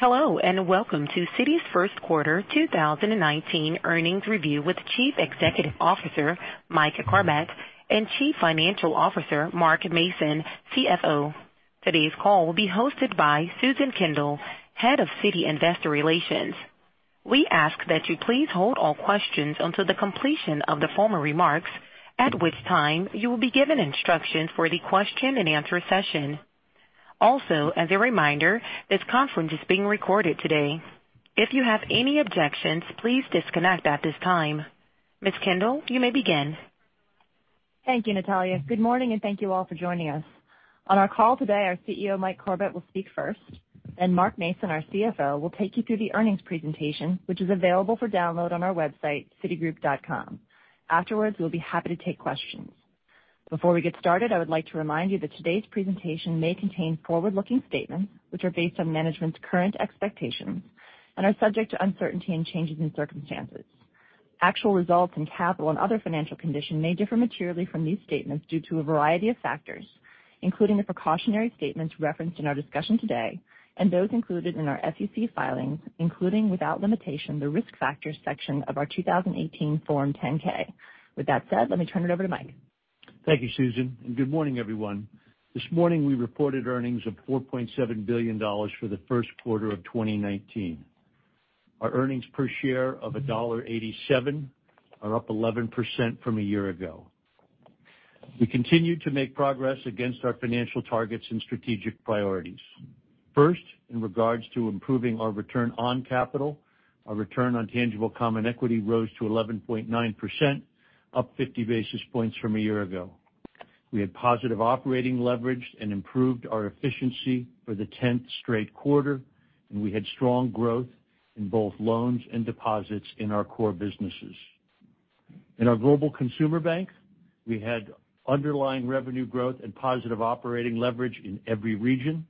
Hello, and welcome to Citi's first quarter 2019 earnings review with Chief Executive Officer, Mike Corbat, and Chief Financial Officer, Mark Mason. Today's call will be hosted by Susan Kendall, Head of Citi Investor Relations. We ask that you please hold all questions until the completion of the formal remarks, at which time you will be given instructions for the question and answer session. Also, as a reminder, this conference is being recorded today. If you have any objections, please disconnect at this time. Ms. Kendall, you may begin. Thank you, Natalia. Good morning, and thank you all for joining us. On our call today, our CEO, Mike Corbat, will speak first. Mark Mason, our CFO, will take you through the earnings presentation, which is available for download on our website, citigroup.com. Afterwards, we'll be happy to take questions. Before we get started, I would like to remind you that today's presentation may contain forward-looking statements, which are based on management's current expectations and are subject to uncertainty and changes in circumstances. Actual results in capital and other financial conditions may differ materially from these statements due to a variety of factors, including the precautionary statements referenced in our discussion today and those included in our SEC filings, including, without limitation, the Risk Factors section of our 2018 Form 10-K. With that said, let me turn it over to Mike. Thank you, Susan. Good morning, everyone. This morning, we reported earnings of $4.7 billion for the first quarter of 2019. Our earnings per share of $1.87 are up 11% from a year ago. We continue to make progress against our financial targets and strategic priorities. First, in regards to improving our return on capital, our return on tangible common equity rose to 11.9%, up 50 basis points from a year ago. We had positive operating leverage and improved our efficiency for the tenth straight quarter, and we had strong growth in both loans and deposits in our core businesses. In our Global Consumer Bank, we had underlying revenue growth and positive operating leverage in every region.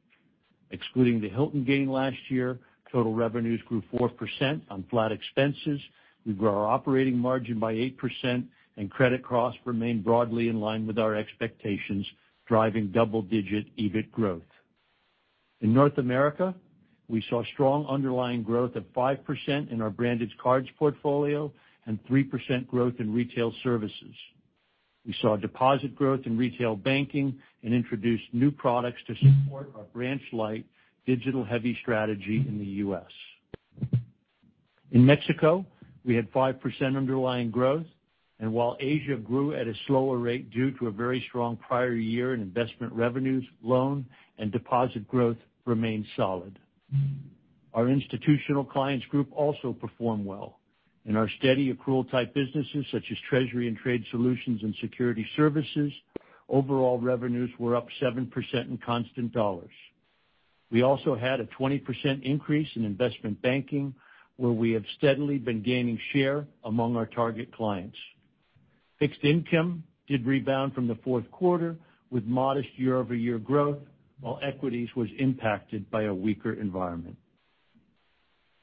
Excluding the Hilton gain last year, total revenues grew 4% on flat expenses. We grew our operating margin by 8%. Credit costs remained broadly in line with our expectations, driving double-digit EBIT growth. In North America, we saw strong underlying growth of 5% in our Branded Cards portfolio and 3% growth in Citi Retail Services. We saw deposit growth in retail banking and introduced new products to support our branch-light, digital-heavy strategy in the U.S. In Mexico, we had 5% underlying growth. While Asia grew at a slower rate due to a very strong prior year in investment revenues, loan, and deposit growth remained solid. Our Institutional Clients Group also performed well. In our steady accrual type businesses, such as treasury and trade solutions and securities services, overall revenues were up 7% in constant dollars. We also had a 20% increase in Investment Banking, where we have steadily been gaining share among our target clients. Fixed Income did rebound from the fourth quarter with modest year-over-year growth, while equities was impacted by a weaker environment.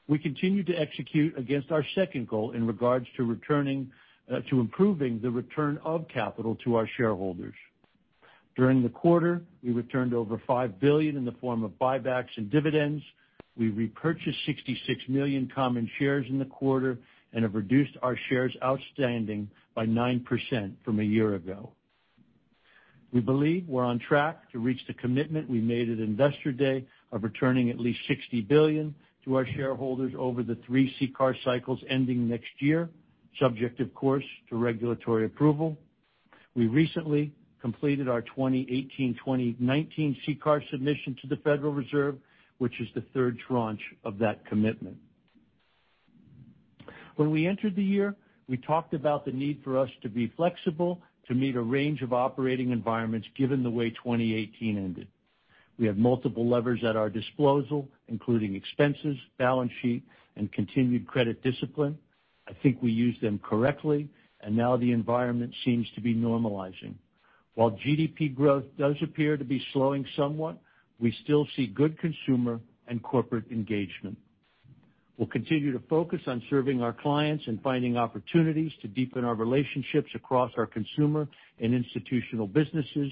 We continue to execute against our second goal in regards to improving the return of capital to our shareholders. During the quarter, we returned over $5 billion in the form of buybacks and dividends. We repurchased 66 million common shares in the quarter and have reduced our shares outstanding by 9% from a year ago. We believe we're on track to reach the commitment we made at Investor Day of returning at least $60 billion to our shareholders over the three CCAR cycles ending next year, subject, of course, to regulatory approval. We recently completed our 2018-2019 CCAR submission to the Federal Reserve, which is the third tranche of that commitment. When we entered the year, we talked about the need for us to be flexible to meet a range of operating environments given the way 2018 ended. We have multiple levers at our disposal, including expenses, balance sheet, and continued credit discipline. I think we used them correctly, and now the environment seems to be normalizing. While GDP growth does appear to be slowing somewhat, we still see good consumer and corporate engagement. We'll continue to focus on serving our clients and finding opportunities to deepen our relationships across our consumer and institutional businesses,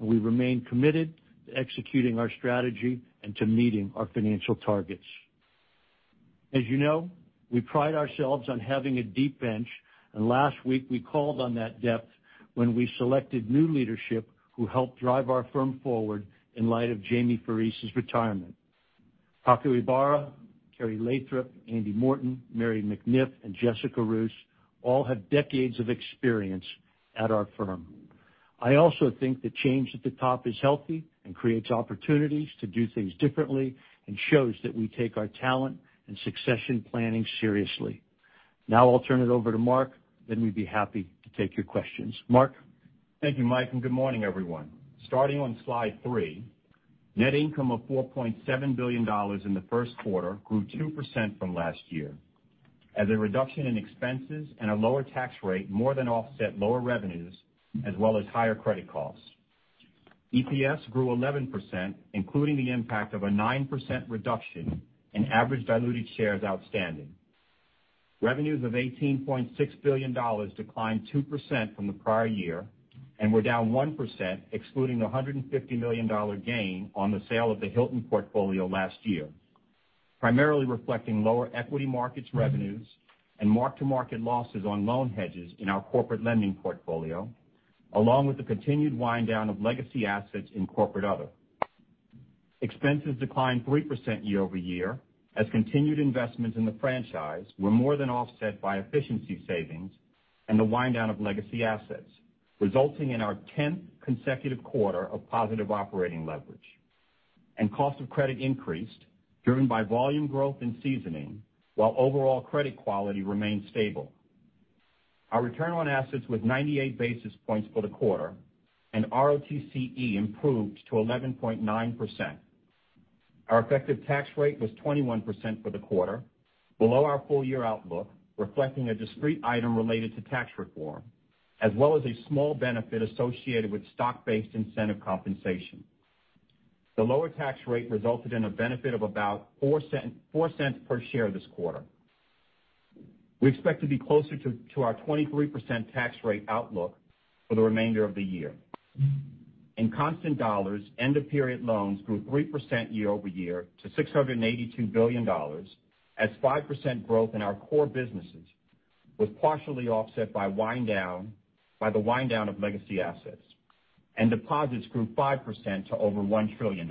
and we remain committed to executing our strategy and to meeting our financial targets. As you know, we pride ourselves on having a deep bench, and last week we called on that depth when we selected new leadership who helped drive our firm forward in light of Jamie Forese's retirement. Paco Ybarra, Carey Lathrop, Andy Morton, Mary McNiff, and Jessica Roos all have decades of experience at our firm. I also think the change at the top is healthy and creates opportunities to do things differently and shows that we take our talent and succession planning seriously. Now I'll turn it over to Mark. We'd be happy to take your questions. Mark? Thank you, Mike, and good morning, everyone. Starting on slide three, net income of $4.7 billion in the first quarter grew 2% from last year as a reduction in expenses and a lower tax rate more than offset lower revenues, as well as higher credit costs. EPS grew 11%, including the impact of a 9% reduction in average diluted shares outstanding. Revenues of $18.6 billion declined 2% from the prior year, and were down 1%, excluding the $150 million gain on the sale of the Hilton portfolio last year. Primarily reflecting lower equity markets revenues and mark-to-market losses on loan hedges in our Corporate Lending portfolio, along with the continued wind down of legacy assets in corporate other. Expenses declined 3% year over year as continued investments in the franchise were more than offset by efficiency savings and the wind down of legacy assets, resulting in our tenth consecutive quarter of positive operating leverage. Cost of credit increased, driven by volume growth and seasoning, while overall credit quality remained stable. Our return on assets was 98 basis points for the quarter, and ROTCE improved to 11.9%. Our effective tax rate was 21% for the quarter, below our full year outlook, reflecting a discrete item related to tax reform, as well as a small benefit associated with stock-based incentive compensation. The lower tax rate resulted in a benefit of about $0.04 per share this quarter. We expect to be closer to our 23% tax rate outlook for the remainder of the year. In constant dollars, end-of-period loans grew 3% year over year to $682 billion, as 5% growth in our core businesses was partially offset by the wind down of legacy assets. Deposits grew 5% to over $1 trillion.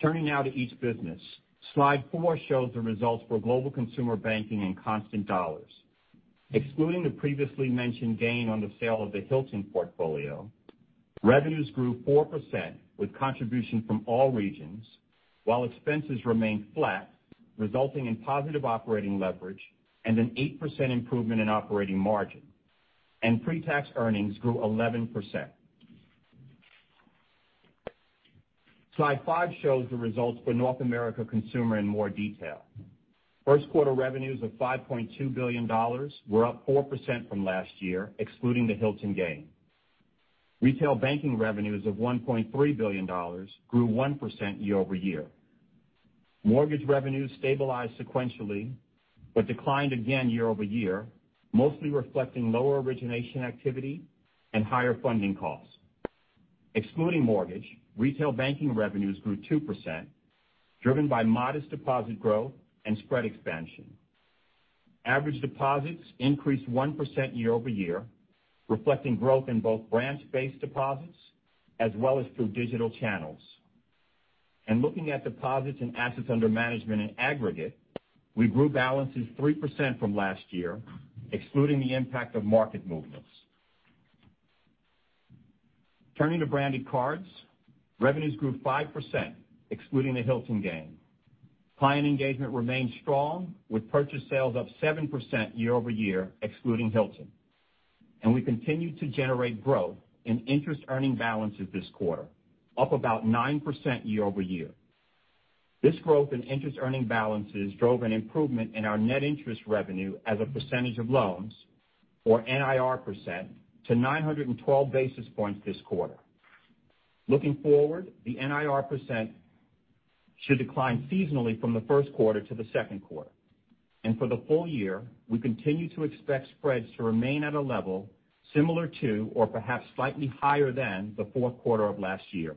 Turning now to each business. Slide four shows the results for Global Consumer Banking in constant dollars. Excluding the previously mentioned gain on the sale of the Hilton portfolio, revenues grew 4%, with contribution from all regions, while expenses remained flat, resulting in positive operating leverage and an 8% improvement in operating margin. Pre-tax earnings grew 11%. Slide five shows the results for North America Consumer in more detail. First quarter revenues of $5.2 billion were up 4% from last year, excluding the Hilton gain. Retail banking revenues of $1.3 billion grew 1% year over year. Mortgage revenues stabilized sequentially, but declined again year over year, mostly reflecting lower origination activity and higher funding costs. Excluding mortgage, retail banking revenues grew 2%, driven by modest deposit growth and spread expansion. Average deposits increased 1% year over year, reflecting growth in both branch-based deposits as well as through digital channels. Looking at deposits and assets under management in aggregate, we grew balances 3% from last year, excluding the impact of market movements. Turning to Branded Cards. Revenues grew 5%, excluding the Hilton gain. Client engagement remained strong with purchase sales up 7% year over year, excluding Hilton. We continued to generate growth in interest earning balances this quarter, up about 9% year over year. This growth in interest earning balances drove an improvement in our net interest revenue as a percentage of loans, or NIR percent, to 912 basis points this quarter. Looking forward, the NIR percent should decline seasonally from the first quarter to the second quarter. For the full year, we continue to expect spreads to remain at a level similar to or perhaps slightly higher than the fourth quarter of last year.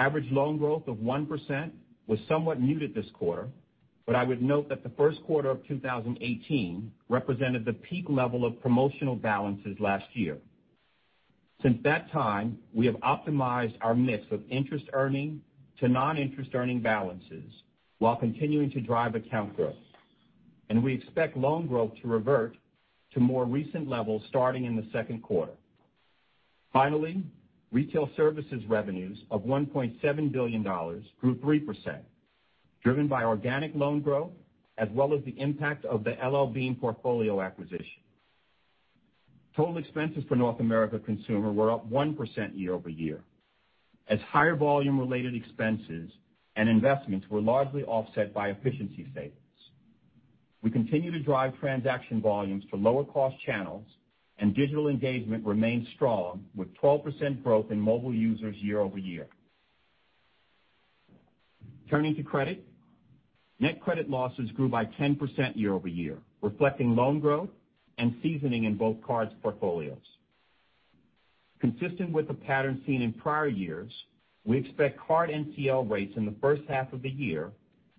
Average loan growth of 1% was somewhat muted this quarter, but I would note that the first quarter of 2018 represented the peak level of promotional balances last year. Since that time, we have optimized our mix of interest earning to non-interest earning balances while continuing to drive account growth. We expect loan growth to revert to more recent levels starting in the second quarter. Finally, retail services revenues of $1.7 billion grew 3%, driven by organic loan growth, as well as the impact of the L.L.Bean portfolio acquisition. Total expenses for North America Consumer were up 1% year-over-year, as higher volume-related expenses and investments were largely offset by efficiency savings. We continue to drive transaction volumes for lower cost channels, and digital engagement remains strong with 12% growth in mobile users year-over-year. Turning to credit. Net credit losses grew by 10% year-over-year, reflecting loan growth and seasoning in both cards portfolios. Consistent with the pattern seen in prior years, we expect card NCL rates in the first half of the year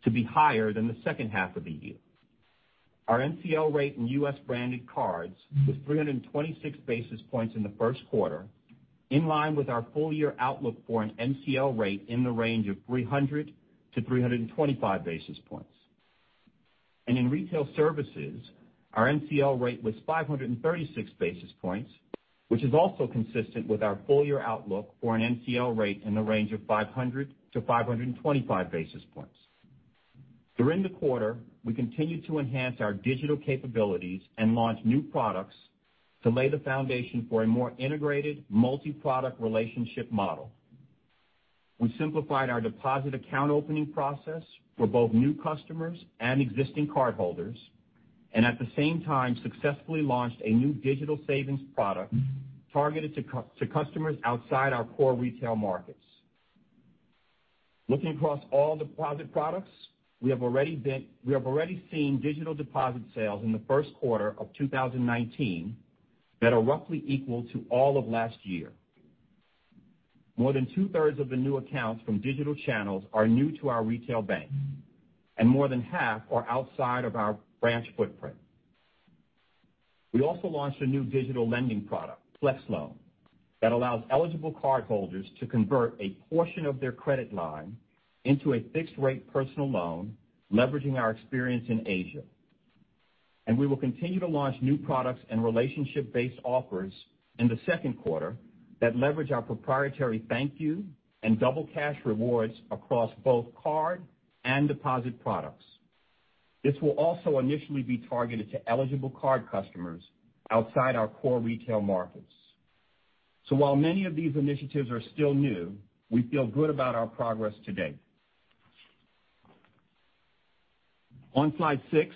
to be higher than the second half of the year. Our NCL rate in U.S. Branded Cards was 326 basis points in the first quarter, in line with our full year outlook for an NCL rate in the range of 300-325 basis points. In retail services, our NCL rate was 536 basis points, which is also consistent with our full year outlook for an NCL rate in the range of 500-525 basis points. During the quarter, we continued to enhance our digital capabilities and launch new products to lay the foundation for a more integrated multi-product relationship model. We simplified our deposit account opening process for both new customers and existing cardholders. At the same time, successfully launched a new digital savings product targeted to customers outside our core retail markets. Looking across all deposit products, we have already seen digital deposit sales in the first quarter of 2019 that are roughly equal to all of last year. More than two-thirds of the new accounts from digital channels are new to our retail bank, and more than half are outside of our branch footprint. We also launched a new digital lending product, Flex Loan, that allows eligible cardholders to convert a portion of their credit line into a fixed-rate personal loan, leveraging our experience in Asia. We will continue to launch new products and relationship-based offers in the second quarter that leverage our proprietary ThankYou and Double Cash rewards across both card and deposit products. This will also initially be targeted to eligible card customers outside our core retail markets. While many of these initiatives are still new, we feel good about our progress to date. On slide six,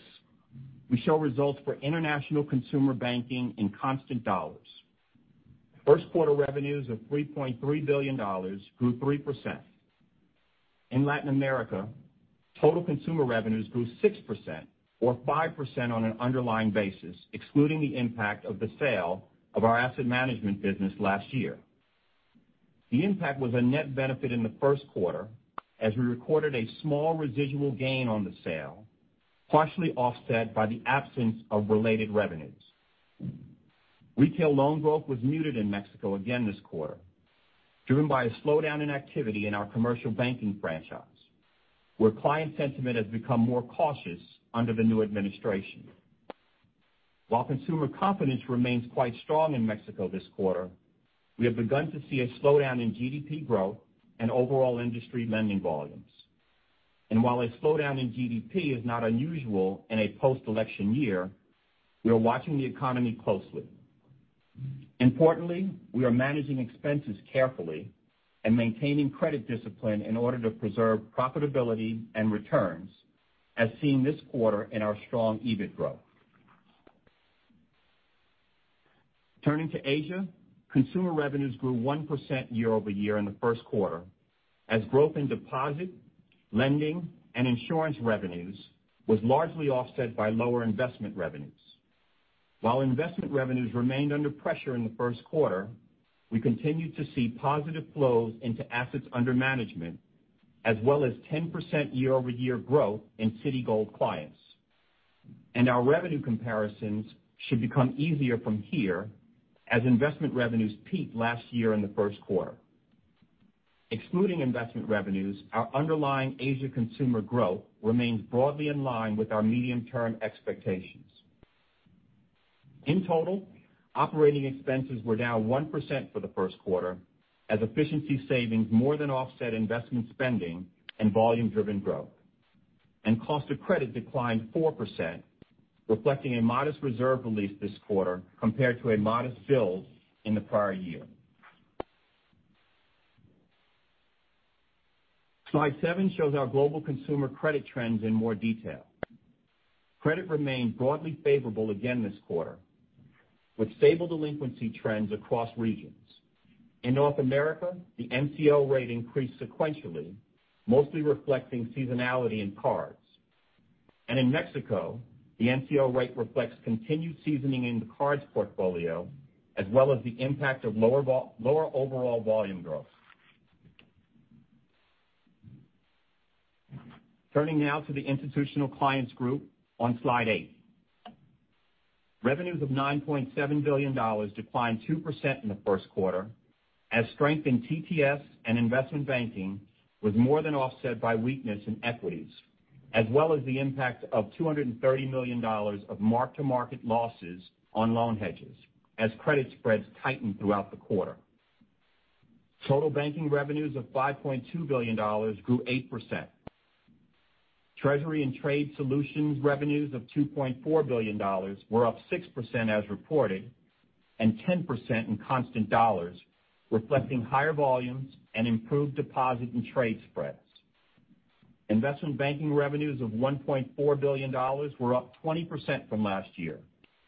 we show results for international consumer banking in constant dollars. First quarter revenues of $3.3 billion grew 3%. In Latin America, total consumer revenues grew 6%, or 5% on an underlying basis, excluding the impact of the sale of our asset management business last year. The impact was a net benefit in the first quarter as we recorded a small residual gain on the sale, partially offset by the absence of related revenues. Retail loan growth was muted in Mexico again this quarter, driven by a slowdown in activity in our commercial banking franchise, where client sentiment has become more cautious under the new administration. While consumer confidence remains quite strong in Mexico this quarter, we have begun to see a slowdown in GDP growth and overall industry lending volumes. While a slowdown in GDP is not unusual in a post-election year, we are watching the economy closely. Importantly, we are managing expenses carefully and maintaining credit discipline in order to preserve profitability and returns, as seen this quarter in our strong EBIT growth. Turning to Asia, consumer revenues grew 1% year-over-year in the first quarter, as growth in deposit, lending, and insurance revenues was largely offset by lower investment revenues. While investment revenues remained under pressure in the first quarter, we continued to see positive flows into assets under management, as well as 10% year-over-year growth in Citigold clients. Our revenue comparisons should become easier from here as investment revenues peaked last year in the first quarter. Excluding investment revenues, our underlying Asia consumer growth remains broadly in line with our medium-term expectations. In total, operating expenses were down 1% for the first quarter, as efficiency savings more than offset investment spending and volume-driven growth. Cost of credit declined 4%, reflecting a modest reserve release this quarter compared to a modest build in the prior year. Slide seven shows our global consumer credit trends in more detail. Credit remained broadly favorable again this quarter, with stable delinquency trends across regions. In North America, the NCL rate increased sequentially, mostly reflecting seasonality in cards. In Mexico, the NCL rate reflects continued seasoning in the cards portfolio, as well as the impact of lower overall volume growth. Turning now to the Institutional Clients Group on slide eight. Revenues of $9.7 billion declined 2% in the first quarter, as strength in TTS and Investment Banking was more than offset by weakness in equities, as well as the impact of $230 million of mark-to-market losses on loan hedges, as credit spreads tightened throughout the quarter. Total banking revenues of $5.2 billion grew 8%. Treasury and Trade Solutions revenues of $2.4 billion were up 6% as reported, and 10% in constant dollars, reflecting higher volumes and improved deposit and trade spreads. Investment Banking revenues of $1.4 billion were up 20% from last year,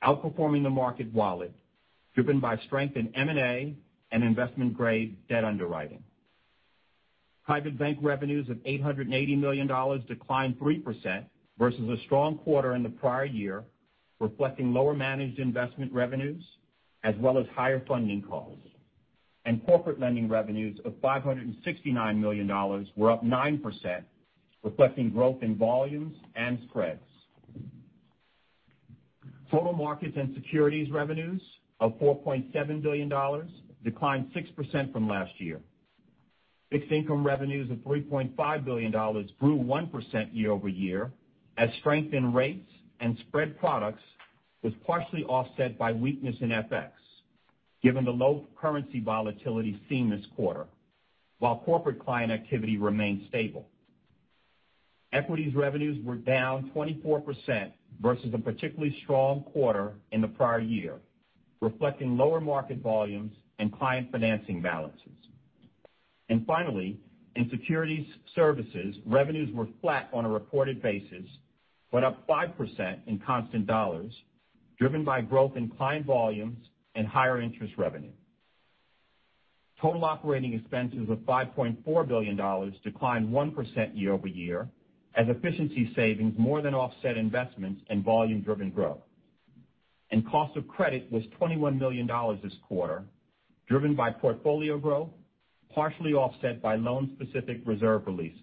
outperforming the market wallet, driven by strength in M&A and investment-grade debt underwriting. Private Bank revenues of $880 million declined 3% versus a strong quarter in the prior year, reflecting lower managed investment revenues as well as higher funding costs. Corporate Lending revenues of $569 million were up 9%, reflecting growth in volumes and spreads. Total Markets and Securities revenues of $4.7 billion declined 6% from last year. Fixed Income revenues of $3.5 billion grew 1% year-over-year, as strength in rates and spread products was partially offset by weakness in FX, given the low currency volatility seen this quarter, while corporate client activity remained stable. Equities revenues were down 24% versus a particularly strong quarter in the prior year, reflecting lower market volumes and client financing balances. Finally, in Securities Services, revenues were flat on a reported basis, but up 5% in constant dollars, driven by growth in client volumes and higher interest revenue. Total operating expenses of $5.4 billion declined 1% year-over-year as efficiency savings more than offset investments in volume driven growth. Cost of credit was $21 million this quarter, driven by portfolio growth, partially offset by loan-specific reserve releases.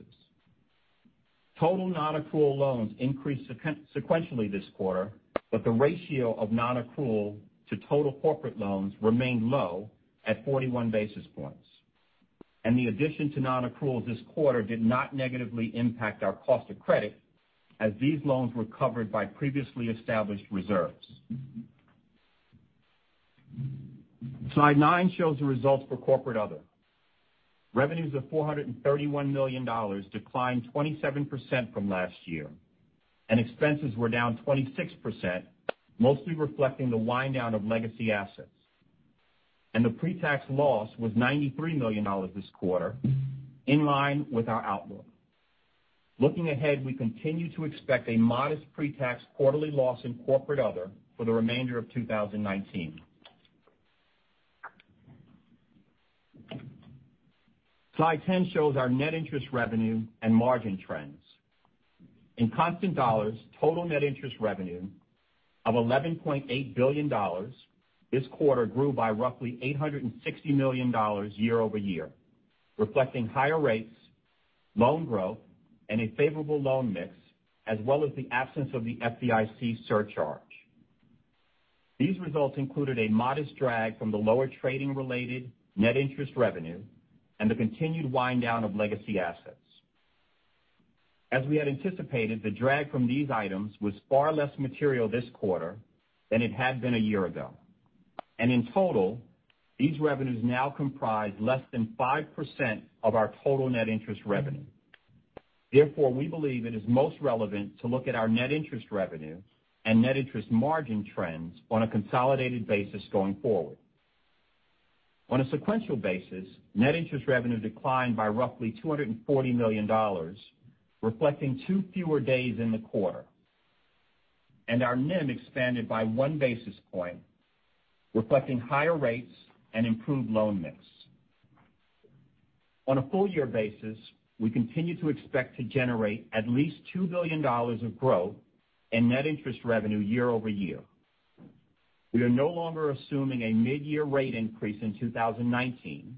Total nonaccrual loans increased sequentially this quarter, but the ratio of nonaccrual to total corporate loans remained low at 41 basis points. The addition to nonaccruals this quarter did not negatively impact our cost of credit as these loans were covered by previously established reserves. Slide nine shows the results for corporate other. Revenues of $431 million declined 27% from last year, and expenses were down 26%, mostly reflecting the wind down of legacy assets. The pre-tax loss was $93 million this quarter, in line with our outlook. Looking ahead, we continue to expect a modest pre-tax quarterly loss in corporate other for the remainder of 2019. Slide 10 shows our net interest revenue and margin trends. In constant dollars, total net interest revenue of $11.8 billion this quarter grew by roughly $860 million year-over-year, reflecting higher rates, loan growth, and a favorable loan mix, as well as the absence of the FDIC surcharge. These results included a modest drag from the lower trading related net interest revenue and the continued wind down of legacy assets. As we had anticipated, the drag from these items was far less material this quarter than it had been a year ago. In total, these revenues now comprise less than 5% of our total net interest revenue. Therefore, we believe it is most relevant to look at our net interest revenue and net interest margin trends on a consolidated basis going forward. On a sequential basis, net interest revenue declined by roughly $240 million, reflecting two fewer days in the quarter. Our NIM expanded by one basis point, reflecting higher rates and improved loan mix. On a full year basis, we continue to expect to generate at least $2 billion of growth in net interest revenue year-over-year. We are no longer assuming a mid-year rate increase in 2019,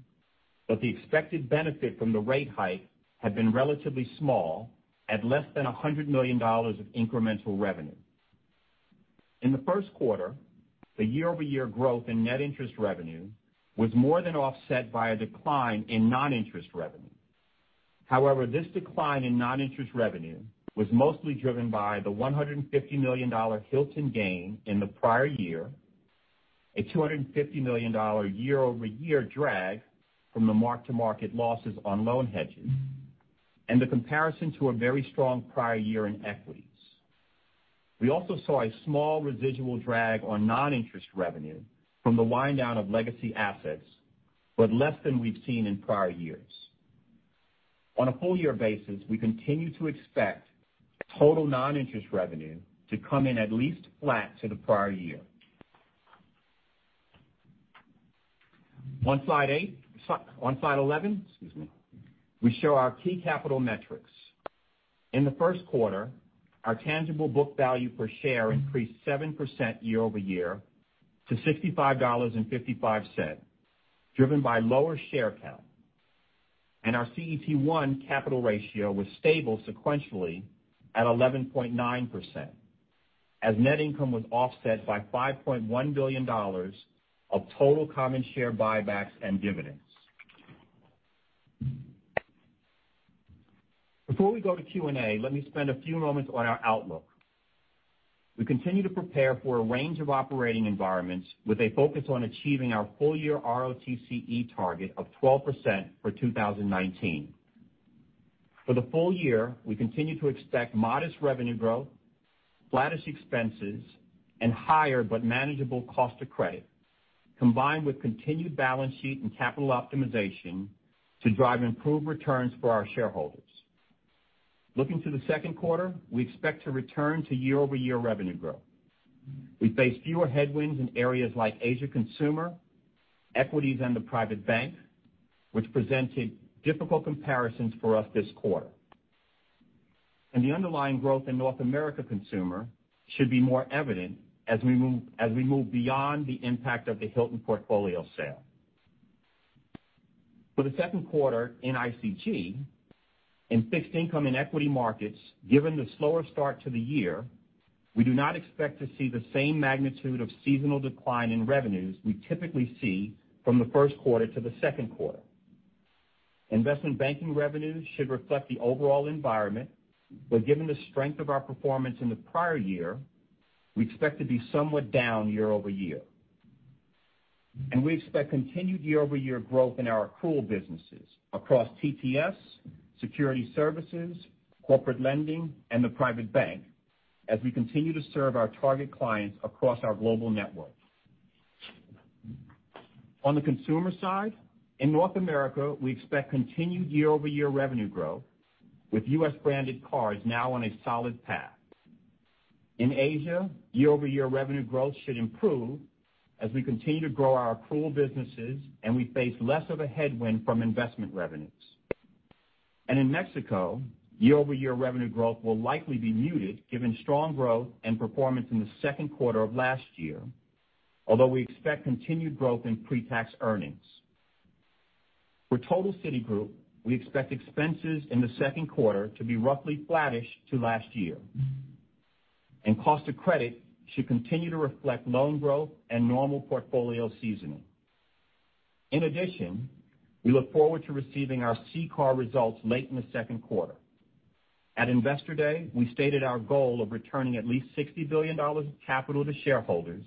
but the expected benefit from the rate hike had been relatively small, at less than $100 million of incremental revenue. In the first quarter, the year-over-year growth in net interest revenue was more than offset by a decline in non-interest revenue. This decline in non-interest revenue was mostly driven by the $150 million Hilton gain in the prior year, a $250 million year-over-year drag from the mark-to-market losses on loan hedges, and the comparison to a very strong prior year in equities. We also saw a small residual drag on non-interest revenue from the wind down of legacy assets, less than we've seen in prior years. On a full year basis, we continue to expect total non-interest revenue to come in at least flat to the prior year. On slide 11, excuse me, we show our key capital metrics. In the first quarter, our tangible book value per share increased 7% year-over-year to $65.55, driven by lower share count. Our CET1 capital ratio was stable sequentially at 11.9%, as net income was offset by $5.1 billion of total common share buybacks and dividends. Before we go to Q&A, let me spend a few moments on our outlook. We continue to prepare for a range of operating environments with a focus on achieving our full year ROTCE target of 12% for 2019. For the full year, we continue to expect modest revenue growth, flattish expenses, and higher but manageable cost of credit, combined with continued balance sheet and capital optimization to drive improved returns for our shareholders. Looking to the second quarter, we expect to return to year-over-year revenue growth. We face fewer headwinds in areas like Asia Consumer, Equities, and the Private Bank, which presented difficult comparisons for us this quarter. The underlying growth in North America Consumer should be more evident as we move beyond the impact of the Hilton portfolio sale. For the second quarter, in ICG, in Fixed Income and equity markets, given the slower start to the year, we do not expect to see the same magnitude of seasonal decline in revenues we typically see from the first quarter to the second quarter. Investment Banking revenues should reflect the overall environment, given the strength of our performance in the prior year, we expect to be somewhat down year-over-year. We expect continued year-over-year growth in our accrual businesses across TTS, securities services, Corporate Lending, and the Private Bank as we continue to serve our target clients across our global network. On the consumer side, in North America, we expect continued year-over-year revenue growth, with U.S. Branded Cards now on a solid path. In Asia, year-over-year revenue growth should improve as we continue to grow our accrual businesses and we face less of a headwind from investment revenues. In Mexico, year-over-year revenue growth will likely be muted given strong growth and performance in the second quarter of last year, although we expect continued growth in pre-tax earnings. For total Citigroup, we expect expenses in the second quarter to be roughly flattish to last year. Cost of credit should continue to reflect loan growth and normal portfolio seasoning. In addition, we look forward to receiving our CCAR results late in the second quarter. At Investor Day, we stated our goal of returning at least $60 billion of capital to shareholders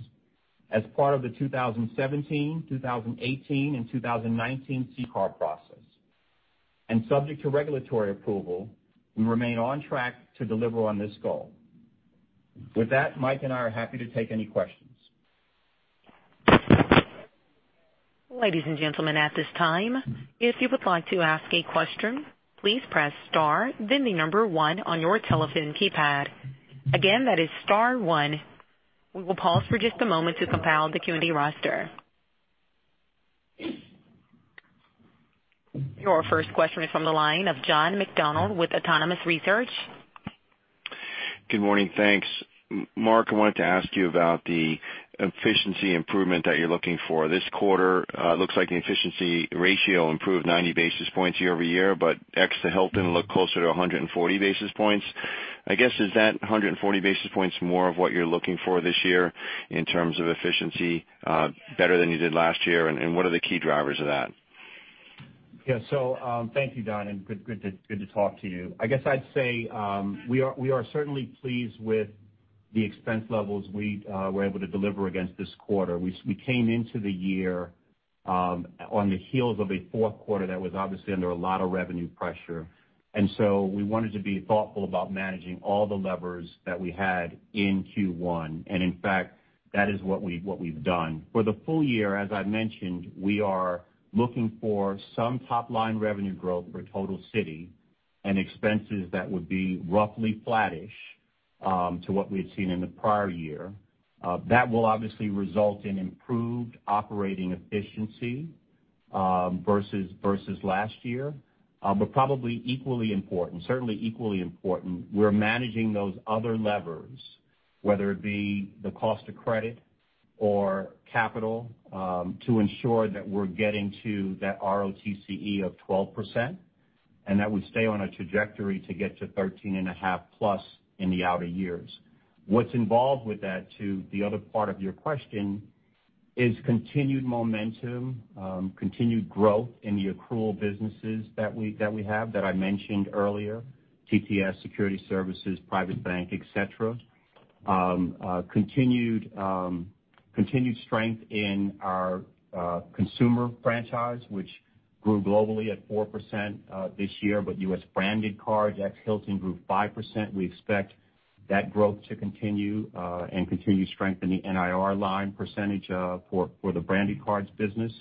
as part of the 2017, 2018, and 2019 CCAR process. Subject to regulatory approval, we remain on track to deliver on this goal. With that, Mike and I are happy to take any questions. Ladies and gentlemen, at this time, if you would like to ask a question, please press star then the number 1 on your telephone keypad. Again, that is star 1. We will pause for just a moment to compile the Q&A roster. Your first question is from the line of John McDonald with Autonomous Research. Good morning. Thanks. Mark, I wanted to ask you about the efficiency improvement that you're looking for this quarter. Looks like the efficiency ratio improved 90 basis points year-over-year, but ex the Hilton look closer to 140 basis points. I guess, is that 140 basis points more of what you're looking for this year in terms of efficiency, better than you did last year, and what are the key drivers of that? Yeah. Thank you, John, and good to talk to you. I guess I'd say, we are certainly pleased with the expense levels we were able to deliver against this quarter. We came into the year on the heels of a fourth quarter that was obviously under a lot of revenue pressure. We wanted to be thoughtful about managing all the levers that we had in Q1. In fact, that is what we've done. For the full year, as I mentioned, we are looking for some top-line revenue growth for total Citi and expenses that would be roughly flattish to what we had seen in the prior year. That will obviously result in improved operating efficiency versus last year. Probably equally important, certainly equally important, we're managing those other levers, whether it be the cost of credit or capital, to ensure that we're getting to that ROTCE of 12%, and that we stay on a trajectory to get to 13.5% plus in the outer years. What's involved with that, to the other part of your question, is continued momentum, continued growth in the accrual businesses that we have that I mentioned earlier, TTS, securities services, Citi Private Bank, et cetera. Continued strength in our consumer franchise, which grew globally at 4% this year, but U.S. Branded Cards, ex Hilton, grew 5%. We expect that growth to continue, and continued strength in the NIR line percentage for the Branded Cards business.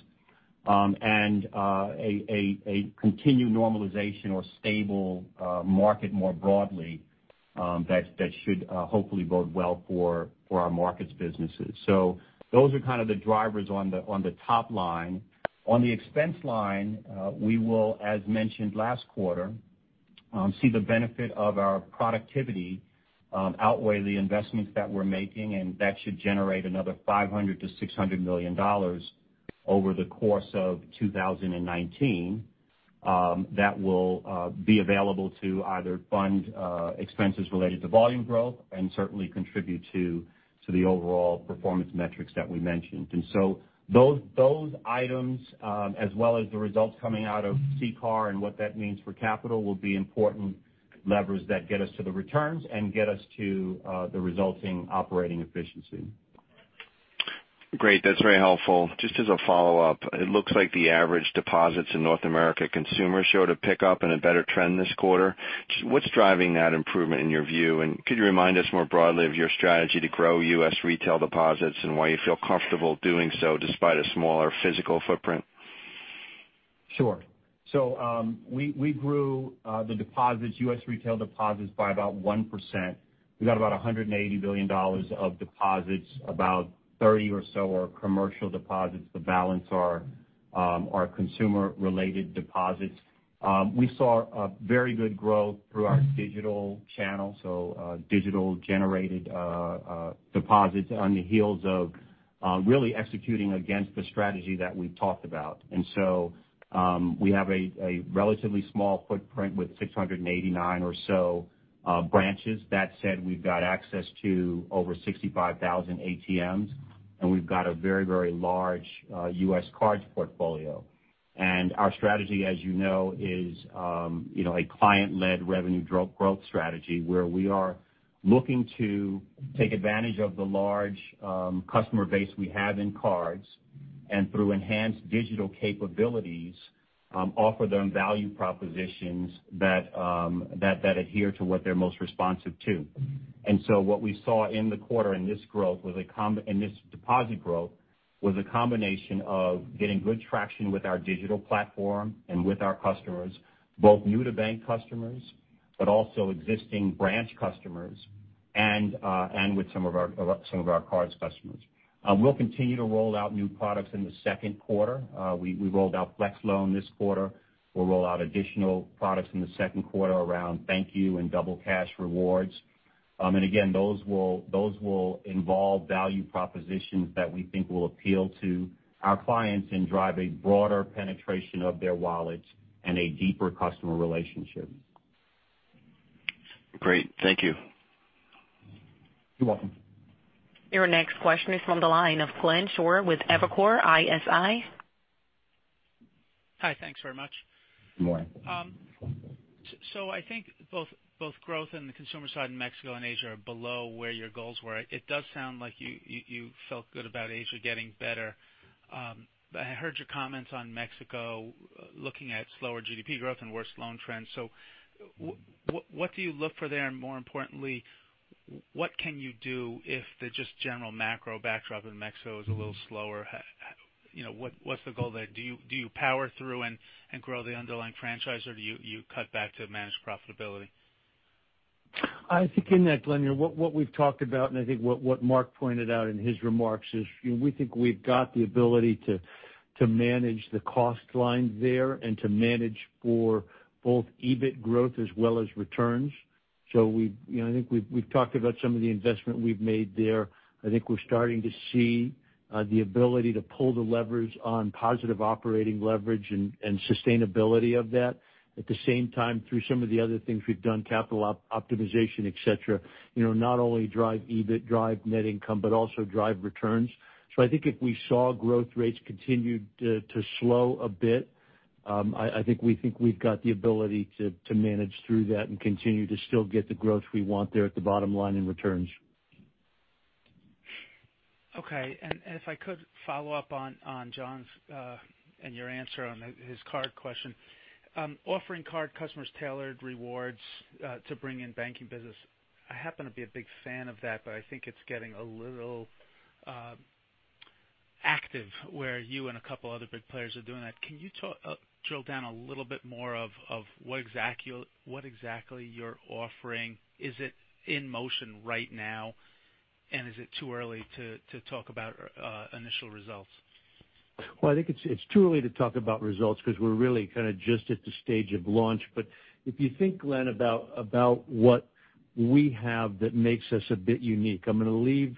A continued normalization or stable market more broadly, that should hopefully bode well for our markets businesses. Those are kind of the drivers on the top line. On the expense line, we will, as mentioned last quarter, see the benefit of our productivity outweigh the investments that we're making, that should generate another $500 million-$600 million over the course of 2019. That will be available to either fund expenses related to volume growth and certainly contribute to the overall performance metrics that we mentioned. Those items, as well as the results coming out of CCAR and what that means for capital, will be important levers that get us to the returns and get us to the resulting operating efficiency. Great. That's very helpful. Just as a follow-up, it looks like the average deposits in North America Consumer showed a pickup and a better trend this quarter. What's driving that improvement in your view, and could you remind us more broadly of your strategy to grow U.S. retail deposits and why you feel comfortable doing so despite a smaller physical footprint? Sure. We grew the deposits, U.S. retail deposits, by about 1%. We got about $180 billion of deposits, about $30 or so are commercial deposits. The balance are our consumer-related deposits. We saw a very good growth through our digital channel, digital-generated deposits on the heels of really executing against the strategy that we've talked about. We have a relatively small footprint with 689 or so branches. That said, we've got access to over 65,000 ATMs, and we've got a very large U.S. cards portfolio. Our strategy, as you know, is a client-led revenue growth strategy where we are looking to take advantage of the large customer base we have in cards. And through enhanced digital capabilities, offer them value propositions that adhere to what they're most responsive to. What we saw in the quarter in this deposit growth was a combination of getting good traction with our digital platform and with our customers, both new to bank customers, but also existing branch customers and with some of our cards customers. We'll continue to roll out new products in the second quarter. We rolled out Flex Loan this quarter. We'll roll out additional products in the second quarter around ThankYou and Double Cash rewards. Again, those will involve value propositions that we think will appeal to our clients and drive a broader penetration of their wallets and a deeper customer relationship. Great. Thank you. You're welcome. Your next question is from the line of Glenn Schorr with Evercore ISI. Hi, thanks very much. Good morning. I think both growth in the consumer side in Mexico and Asia are below where your goals were. It does sound like you felt good about Asia getting better. I heard your comments on Mexico looking at slower GDP growth and worse loan trends. What do you look for there? More importantly, what can you do if the just general macro backdrop in Mexico is a little slower? What's the goal there? Do you power through and grow the underlying franchise, or do you cut back to manage profitability? I think in that, Glenn, what we've talked about, and I think what Mark pointed out in his remarks is, we think we've got the ability to manage the cost line there and to manage for both EBIT growth as well as returns. I think we've talked about some of the investment we've made there. I think we're starting to see the ability to pull the levers on positive operating leverage and sustainability of that. At the same time, through some of the other things we've done, capital optimization, et cetera, not only drive EBIT, drive net income, but also drive returns. I think if we saw growth rates continue to slow a bit, I think we think we've got the ability to manage through that and continue to still get the growth we want there at the bottom line in returns. Okay. If I could follow up on John's, and your answer on his card question. Offering card customers tailored rewards, to bring in banking business. I happen to be a big fan of that, I think it's getting a little active where you and a couple other big players are doing that. Can you drill down a little bit more of what exactly you're offering? Is it in motion right now, and is it too early to talk about initial results? Well, I think it's too early to talk about results because we're really kind of just at the stage of launch. If you think, Glenn, about what we have that makes us a bit unique, I'm going to leave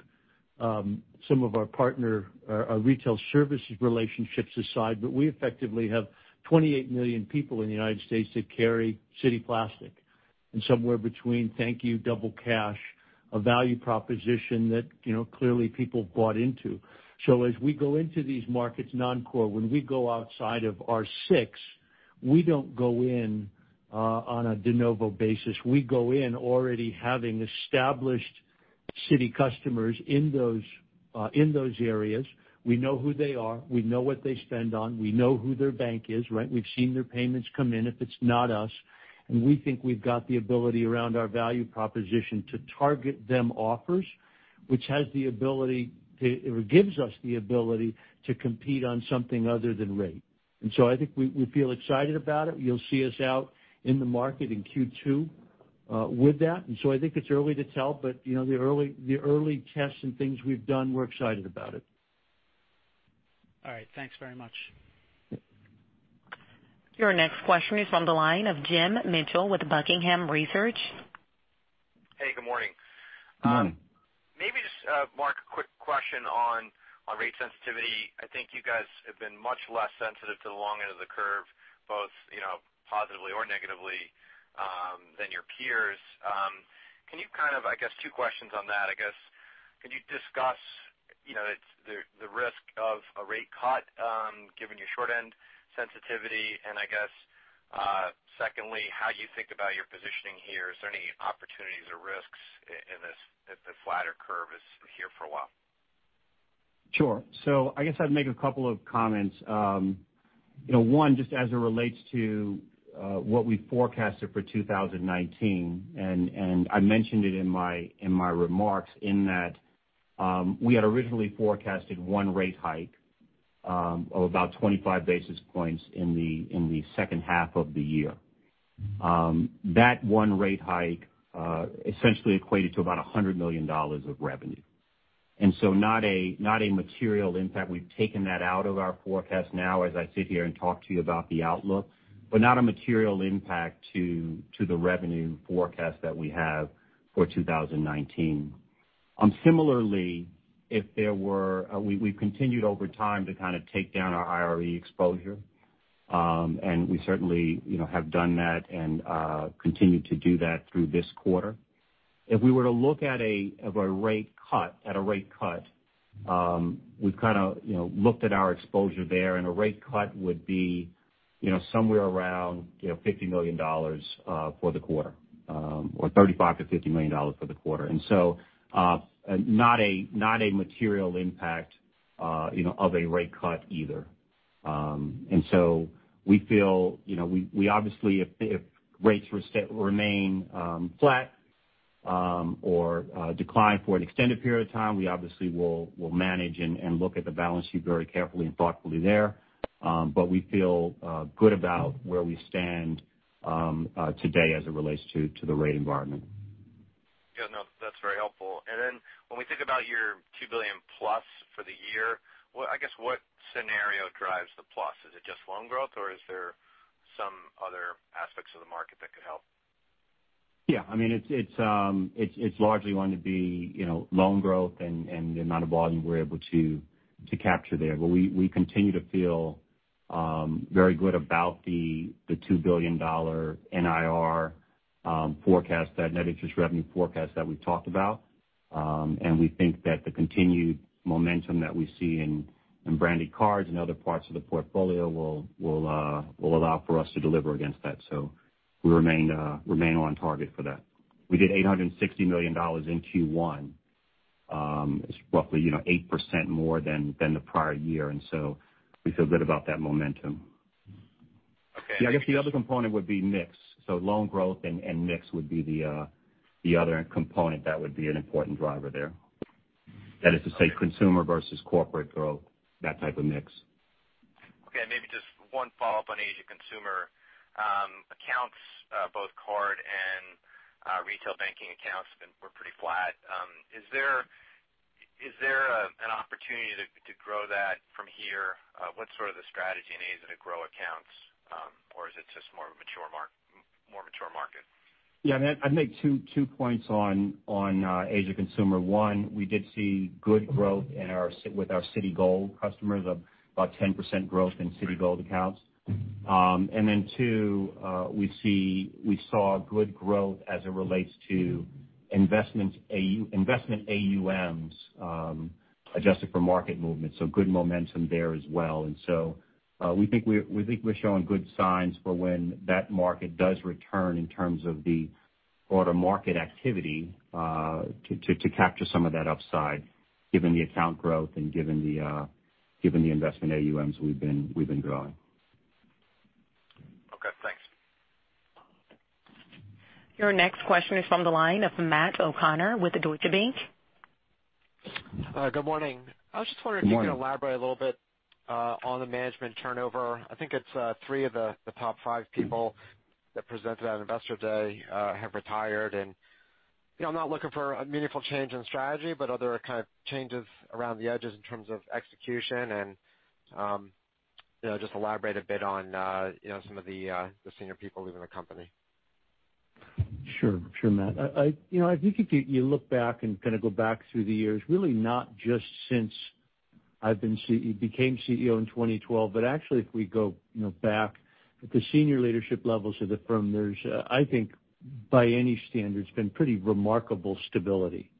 some of our retail services relationships aside, but we effectively have 28 million people in the U.S. that carry Citi plastic. Somewhere between ThankYou, Double Cash, a value proposition that clearly people have bought into. As we go into these markets, non-core, when we go outside of our six, we don't go in on a de novo basis. We go in already having established Citi customers in those areas. We know who they are. We know what they spend on. We know who their bank is, right? We've seen their payments come in, if it's not us. We think we've got the ability around our value proposition to target them offers, which gives us the ability to compete on something other than rate. I think we feel excited about it. You'll see us out in the market in Q2 with that. I think it's early to tell, but the early tests and things we've done, we're excited about it. All right. Thanks very much. Your next question is from the line of Jim Mitchell with Buckingham Research. Hey, good morning. Good morning. Maybe just, Mark, a quick question on rate sensitivity. I think you guys have been much less sensitive to the long end of the curve, both positively or negatively, than your peers. I guess two questions on that. Can you discuss the risk of a rate cut, given your short-end sensitivity? I guess, secondly, how you think about your positioning here. Is there any opportunities or risks if the flatter curve is here for a while? Sure. I guess I'd make a couple of comments. One, just as it relates to what we forecasted for 2019, I mentioned it in my remarks, in that we had originally forecasted one rate hike of about 25 basis points in the second half of the year. That one rate hike essentially equated to about $100 million of revenue. Not a material impact. We've taken that out of our forecast now as I sit here and talk to you about the outlook, but not a material impact to the revenue forecast that we have for 2019. Similarly, we've continued over time to kind of take down our IRE exposure. We certainly have done that and continue to do that through this quarter. If we were to look at a rate cut, we've kind of looked at our exposure there, a rate cut would be somewhere around $50 million for the quarter, or $35 million-$50 million for the quarter. Not a material impact of a rate cut either. We feel, if rates remain flat or decline for an extended period of time, we obviously will manage and look at the balance sheet very carefully and thoughtfully there. We feel good about where we stand today as it relates to the rate environment. Yeah, no, that's very helpful. When we think about your $2 billion plus for the year, I guess what scenario drives the plus? Is it just loan growth or is there some other aspects of the market that could help? Yeah. It's largely going to be loan growth and the amount of volume we're able to capture there. We continue to feel very good about the $2 billion NIR forecast, that net interest revenue forecast that we talked about. We think that the continued momentum that we see in Branded Cards and other parts of the portfolio will allow for us to deliver against that. We remain on target for that. We did $860 million in Q1. It's roughly 8% more than the prior year, and so we feel good about that momentum. Okay. Yeah, I guess the other component would be mix. Loan growth and mix would be the other component that would be an important driver there. That is to say, consumer versus corporate growth, that type of mix. Okay, maybe just one follow-up on Asia Consumer. Accounts, both card and retail banking accounts were pretty flat. Is there an opportunity to grow that from here? What's sort of the strategy in Asia to grow accounts? Or is it just more mature market? Yeah, Matt, I'd make two points on Asia Consumer. One, we did see good growth with our Citigold customers, about 10% growth in Citigold accounts. Two, we saw good growth as it relates to investment AUMs, adjusted for market movement, good momentum there as well. We think we're showing good signs for when that market does return in terms of the quarter market activity, to capture some of that upside, given the account growth and given the investment AUMs we've been growing. Okay, thanks. Your next question is from the line of Matt O'Connor with Deutsche Bank. Good morning. Good morning. I was just wondering if you could elaborate a little bit on the management turnover. I think it's three of the top five people that presented at Investor Day have retired. I'm not looking for a meaningful change in strategy, but are there kind of changes around the edges in terms of execution and just elaborate a bit on some of the senior people leaving the company. Sure, Matt. I think if you look back and kind of go back through the years, really not just since I became CEO in 2012, but actually if we go back at the senior leadership levels of the firm, there's, I think by any standard, it's been pretty remarkable stability.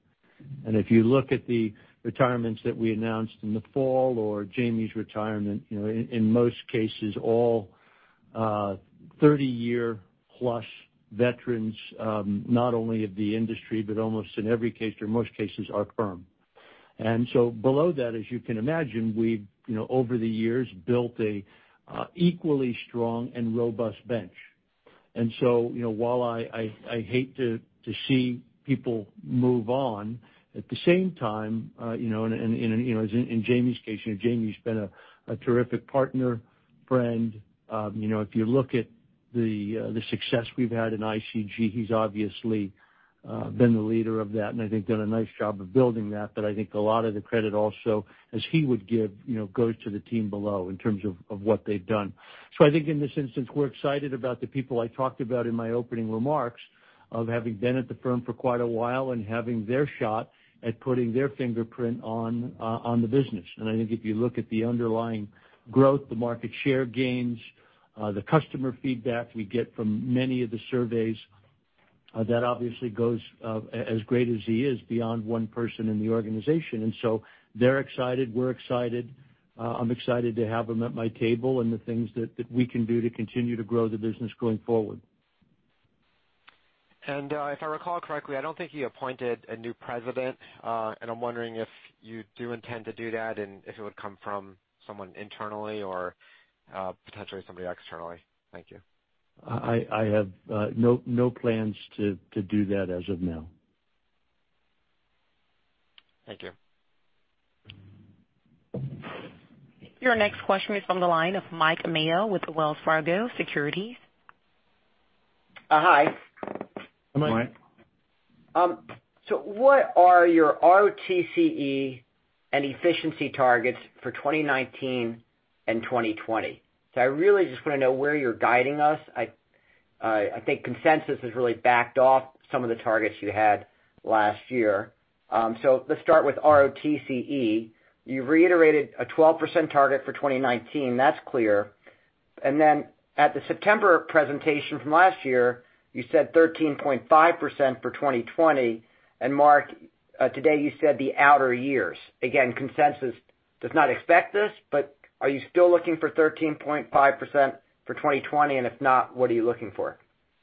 If you look at the retirements that we announced in the fall or Jamie's retirement, in most cases, all 30-year plus veterans, not only of the industry, but almost in every case or most cases, our firm. Below that, as you can imagine, we've, over the years, built a equally strong and robust bench. While I hate to see people move on, at the same time, as in Jamie's case, Jamie's been a terrific partner, friend. If you look at the success we've had in ICG, he's obviously been the leader of that and I think done a nice job of building that. I think a lot of the credit also, as he would give, goes to the team below in terms of what they've done. I think in this instance, we're excited about the people I talked about in my opening remarks, of having been at the firm for quite a while and having their shot at putting their fingerprint on the business. I think if you look at the underlying growth, the market share gains, the customer feedback we get from many of the surveys, that obviously goes, as great as he is, beyond one person in the organization. They're excited, we're excited. I'm excited to have him at my table and the things that we can do to continue to grow the business going forward. If I recall correctly, I don't think you appointed a new president. I'm wondering if you do intend to do that, and if it would come from someone internally or potentially somebody externally. Thank you. I have no plans to do that as of now. Thank you. Your next question is from the line of Mike Mayo with Wells Fargo Securities. Hi. Good morning. What are your ROTCE and efficiency targets for 2019 and 2020? I really just want to know where you're guiding us. I think consensus has really backed off some of the targets you had last year. Let's start with ROTCE. You reiterated a 12% target for 2019, that's clear. At the September presentation from last year, you said 13.5% for 2020. Mark-Today, you said the outer years. Consensus does not expect this, are you still looking for 13.5% for 2020? If not, what are you looking for?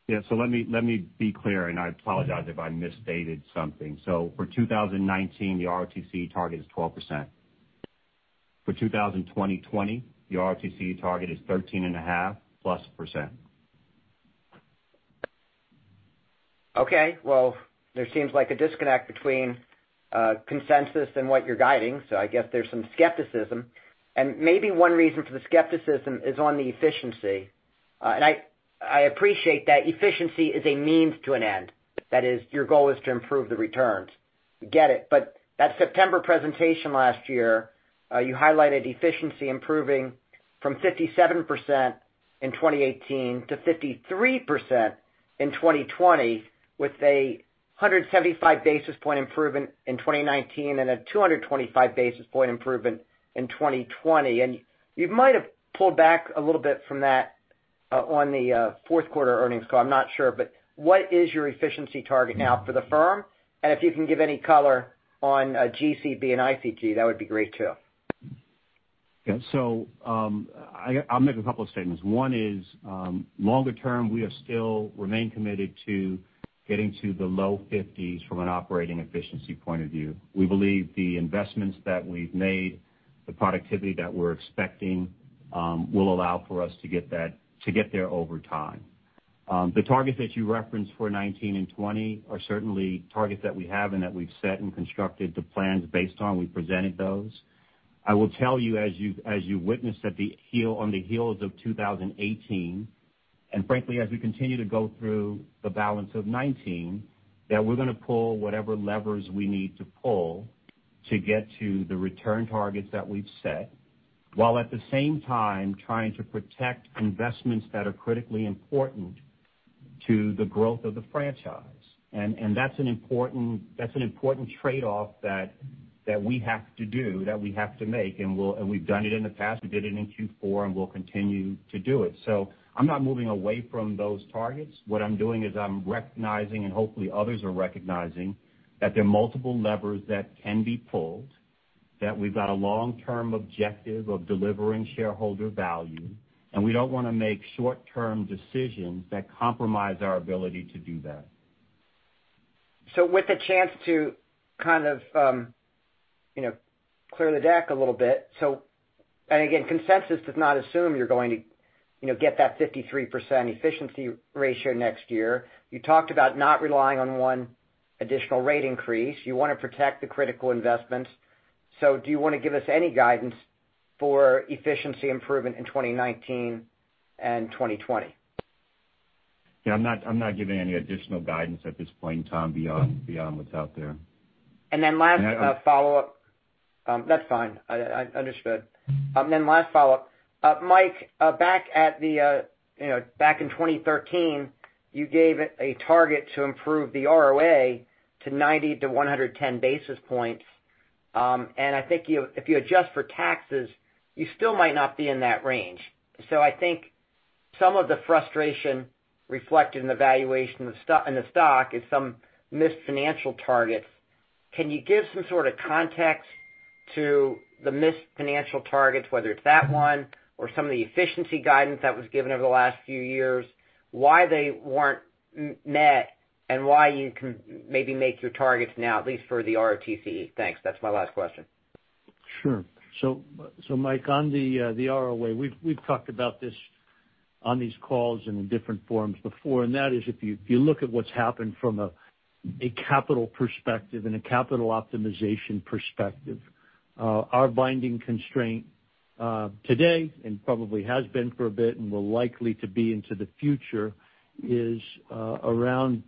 Yeah. Let me be clear, I apologize if I misstated something. For 2019, the ROTCE target is 12%. For 2020, the ROTCE target is 13.5% plus. Well, there seems like a disconnect between consensus and what you're guiding. I guess there's some skepticism. Maybe one reason for the skepticism is on the efficiency. I appreciate that efficiency is a means to an end. That is, your goal is to improve the returns. Get it. That September presentation last year, you highlighted efficiency improving from 57% in 2018 to 53% in 2020 with a 175 basis point improvement in 2019 and a 225 basis point improvement in 2020. You might have pulled back a little bit from that on the fourth quarter earnings call. I'm not sure, what is your efficiency target now for the firm? If you can give any color on GCB and ICG, that would be great too. I'll make a couple of statements. One is, longer term, we still remain committed to getting to the low 50s from an operating efficiency point of view. We believe the investments that we've made, the productivity that we're expecting, will allow for us to get there over time. The targets that you referenced for 2019 and 2020 are certainly targets that we have and that we've set and constructed the plans based on. We presented those. I will tell you, as you witnessed on the heels of 2018, and frankly, as we continue to go through the balance of 2019, that we're going to pull whatever levers we need to pull to get to the return targets that we've set while at the same time trying to protect investments that are critically important to the growth of the franchise. That's an important trade-off that we have to do, that we have to make, and we've done it in the past. We did it in Q4. We'll continue to do it. I'm not moving away from those targets. What I'm doing is I'm recognizing, hopefully others are recognizing, that there are multiple levers that can be pulled, that we've got a long-term objective of delivering shareholder value. We don't want to make short-term decisions that compromise our ability to do that. With the chance to kind of clear the deck a little bit, again, consensus does not assume you're going to get that 53% efficiency ratio next year. You talked about not relying on one additional rate increase. You want to protect the critical investments. Do you want to give us any guidance for efficiency improvement in 2019 and 2020? Yeah, I'm not giving any additional guidance at this point in time beyond what's out there. Last follow-up. That's fine. Understood. Last follow-up. Mike, back in 2013, you gave a target to improve the ROA to 90-110 basis points. I think if you adjust for taxes, you still might not be in that range. I think some of the frustration reflected in the valuation in the stock is some missed financial targets. Can you give some sort of context to the missed financial targets, whether it's that one or some of the efficiency guidance that was given over the last few years, why they weren't met, and why you can maybe make your targets now, at least for the ROTCE? Thanks. That's my last question. Sure. Mike, on the ROA, we've talked about this on these calls and in different forms before, and that is if you look at what's happened from a capital perspective and a capital optimization perspective, our binding constraint today, and probably has been for a bit and will likely to be into the future, is around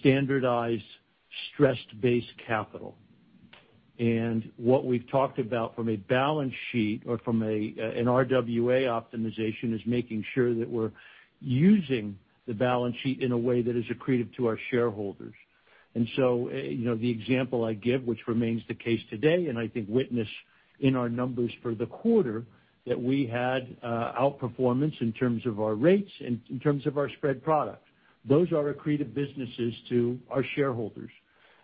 standardized stressed base capital. What we've talked about from a balance sheet or from an RWA optimization is making sure that we're using the balance sheet in a way that is accretive to our shareholders. The example I give, which remains the case today, and I think witness in our numbers for the quarter, that we had outperformance in terms of our rates and in terms of our spread product. Those are accretive businesses to our shareholders.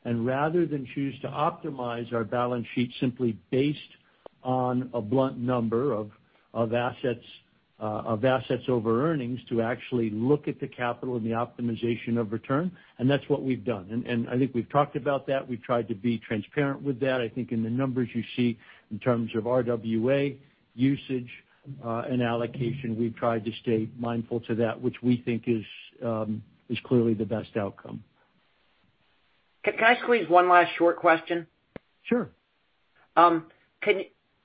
Rather than choose to optimize our balance sheet simply based on a blunt number of assets over earnings to actually look at the capital and the optimization of return. That's what we've done. I think we've talked about that. We've tried to be transparent with that. I think in the numbers you see in terms of RWA usage and allocation, we've tried to stay mindful to that, which we think is clearly the best outcome. Can I squeeze one last short question? Sure.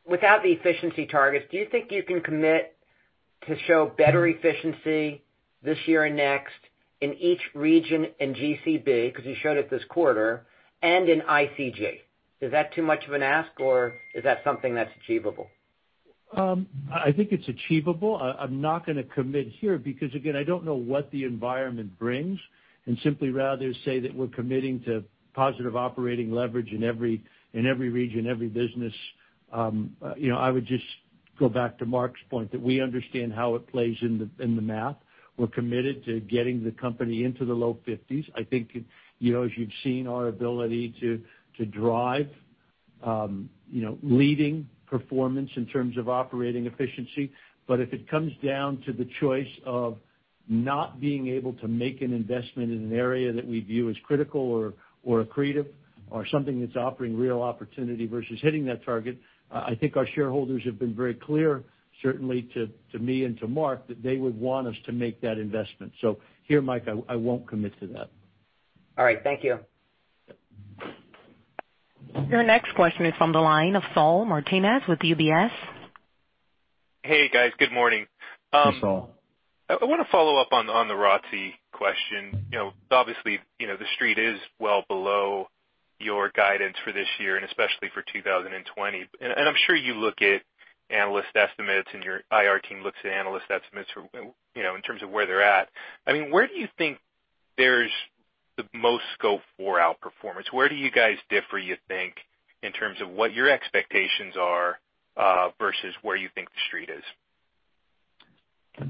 Without the efficiency targets, do you think you can commit to show better efficiency this year and next in each region in GCB, because you showed it this quarter, and in ICG? Is that too much of an ask, or is that something that's achievable? I think it's achievable. I'm not going to commit here because, again, I don't know what the environment brings, and simply rather say that we're committing to positive operating leverage in every region, every business. Go back to Mark's point that we understand how it plays in the math. We're committed to getting the company into the low fifties. I think, as you've seen, our ability to drive leading performance in terms of operating efficiency. If it comes down to the choice of not being able to make an investment in an area that we view as critical or accretive or something that's offering real opportunity versus hitting that target, I think our shareholders have been very clear, certainly to me and to Mark, that they would want us to make that investment. Here, Mike, I won't commit to that. All right. Thank you. Your next question is from the line of Saul Martinez with UBS. Hey, guys. Good morning. Hey, Saul. I want to follow up on the ROTCE question. Obviously, the Street is well below your guidance for this year, and especially for 2020. I'm sure you look at analyst estimates and your IR team looks at analyst estimates in terms of where they're at. Where do you think there's the most scope for outperformance? Where do you guys differ, you think, in terms of what your expectations are, versus where you think the Street is?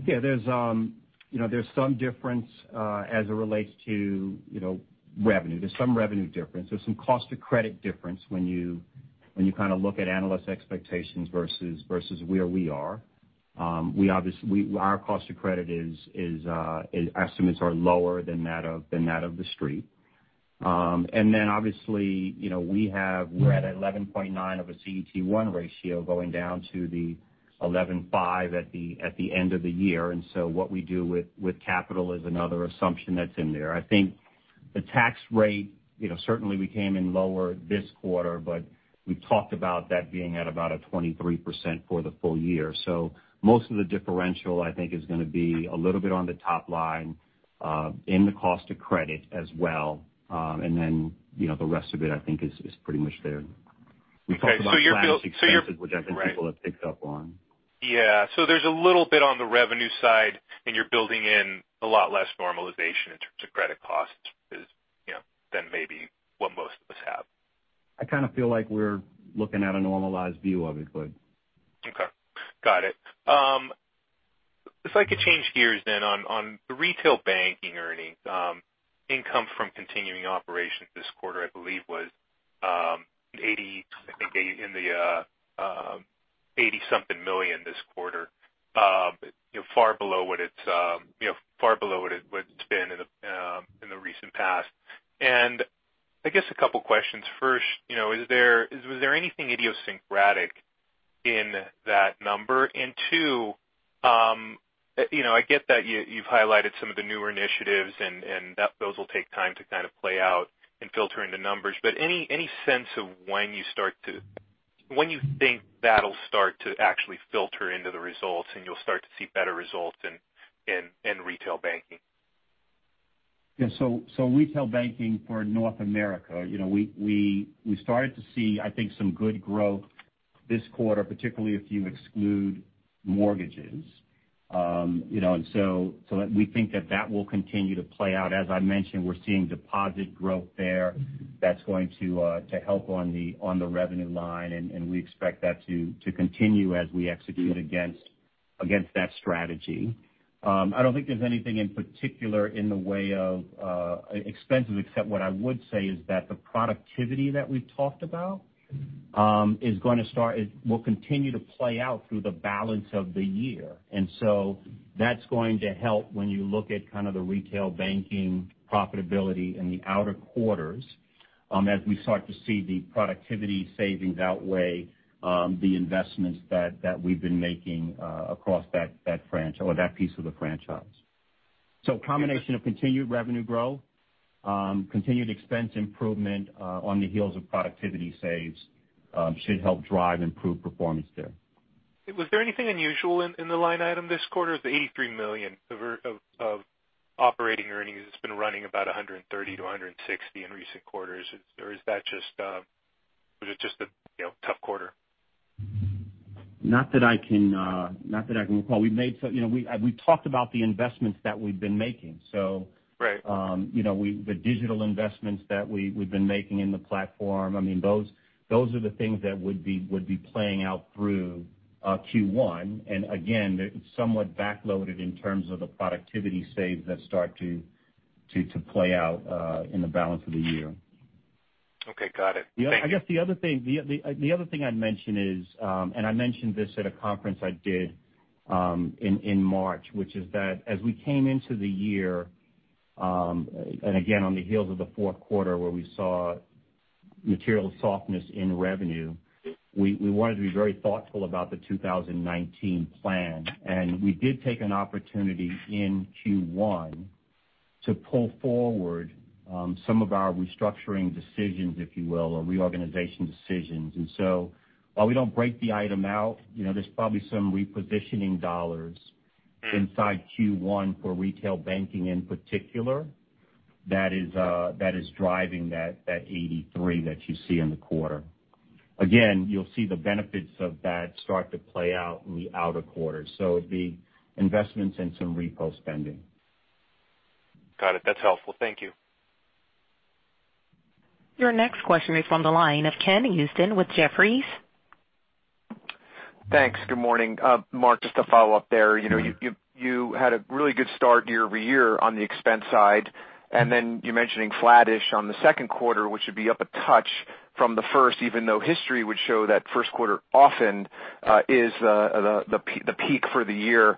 Yeah, there's some difference as it relates to revenue. There's some revenue difference. There's some cost of credit difference when you look at analyst expectations versus where we are. Our cost of credit estimates are lower than that of the Street. Obviously, we're at 11.9 of a CET1 ratio going down to the 11.5 at the end of the year. What we do with capital is another assumption that's in there. I think the tax rate, certainly we came in lower this quarter, but we've talked about that being at about a 23% for the full year. Most of the differential, I think, is going to be a little bit on the top line, in the cost of credit as well. The rest of it, I think, is pretty much there. We talked about tax expenses, which I think people have picked up on. Yeah. There's a little bit on the revenue side, you're building in a lot less normalization in terms of credit costs than maybe what most of us have. I kind of feel like we're looking at a normalized view of it, bud. Okay. Got it. If I could change gears on the retail banking earnings. Income from continuing operations this quarter, I believe, was in the $80-something million this quarter. Far below what it's been in the recent past. I guess a couple questions. First, was there anything idiosyncratic in that number? Two, I get that you've highlighted some of the newer initiatives, and those will take time to play out and filter into numbers. Any sense of when you think that'll start to actually filter into the results and you'll start to see better results in retail banking? Yeah. Retail banking for North America, we started to see, I think, some good growth this quarter, particularly if you exclude mortgages. We think that that will continue to play out. As I mentioned, we're seeing deposit growth there that's going to help on the revenue line, and we expect that to continue as we execute against that strategy. I don't think there's anything in particular in the way of expenses, except what I would say is that the productivity that we've talked about will continue to play out through the balance of the year. That's going to help when you look at kind of the retail banking profitability in the outer quarters as we start to see the productivity savings outweigh the investments that we've been making across that piece of the franchise. Combination of continued revenue growth, continued expense improvement on the heels of productivity saves should help drive improved performance there. Was there anything unusual in the line item this quarter? The $83 million of operating earnings that's been running about $130 million to $160 million in recent quarters. Was it just a tough quarter? Not that I can recall. We've talked about the investments that we've been making. Right. The digital investments that we've been making in the platform, those are the things that would be playing out through Q1. Again, it's somewhat back-loaded in terms of the productivity saves that start to play out in the balance of the year. Okay. Got it. Thank you. I guess the other thing I'd mention is, I mentioned this at a conference I did in March, which is that as we came into the year, again, on the heels of the fourth quarter where we saw material softness in revenue, we wanted to be very thoughtful about the 2019 plan. We did take an opportunity in Q1 to pull forward some of our restructuring decisions, if you will, or reorganization decisions. While we don't break the item out, there's probably some repositioning dollars inside Q1 for retail banking in particular that is driving that 83 that you see in the quarter. Again, you'll see the benefits of that start to play out in the outer quarters. So it'd be investments and some repo spending. Got it. That's helpful. Thank you. Your next question is from the line of Ken Usdin with Jefferies. Thanks. Good morning. Mark, just to follow up there. You had a really good start year-over-year on the expense side, you're mentioning flattish on the second quarter, which would be up a touch from the first, even though history would show that first quarter often is the peak for the year,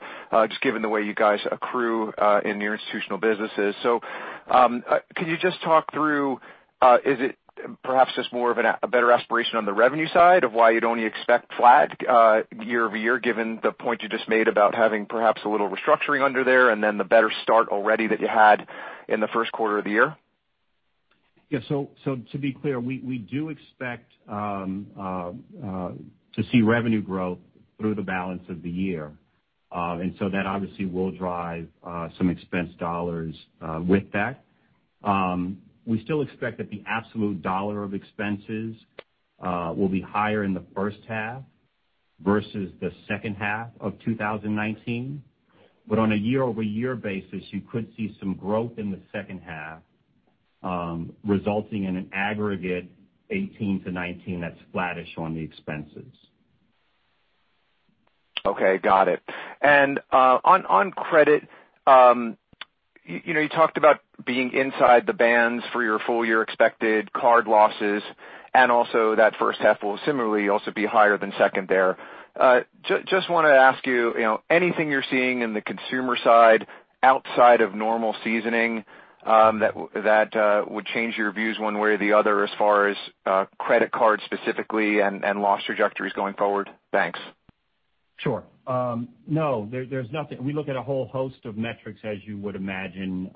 just given the way you guys accrue in your institutional businesses. Could you just talk through, is it perhaps just more of a better aspiration on the revenue side of why you'd only expect flat year-over-year, given the point you just made about having perhaps a little restructuring under there, and then the better start already that you had in the first quarter of the year? To be clear, we do expect to see revenue growth through the balance of the year. That obviously will drive some expense dollars with that. We still expect that the absolute dollar of expenses will be higher in the first half versus the second half of 2019. On a year-over-year basis, you could see some growth in the second half, resulting in an aggregate 2018 to 2019 that is flattish on the expenses. Okay, got it. On credit, you talked about being inside the bands for your full-year expected card losses, and also that first half will similarly also be higher than second there. Just want to ask you, anything you are seeing in the consumer side outside of normal seasoning that would change your views one way or the other as far as credit cards specifically and loss trajectories going forward? Thanks. Sure. No, there is nothing. We look at a whole host of metrics, as you would imagine,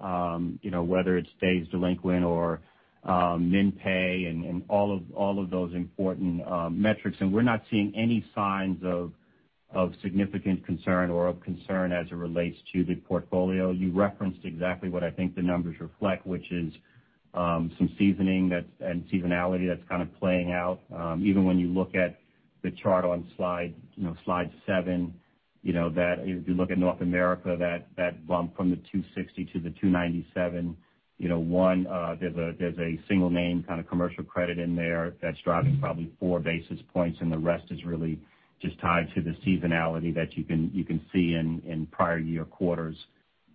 whether it is days delinquent or min pay and all of those important metrics. We are not seeing any signs of significant concern or of concern as it relates to the portfolio. You referenced exactly what I think the numbers reflect, which is some seasoning and seasonality that is kind of playing out. Even when you look at the chart on slide seven, if you look at North America, that bump from the 260 to 297. One, there is a single name kind of commercial credit in there that is driving probably four basis points. The rest is really just tied to the seasonality that you can see in prior year quarters.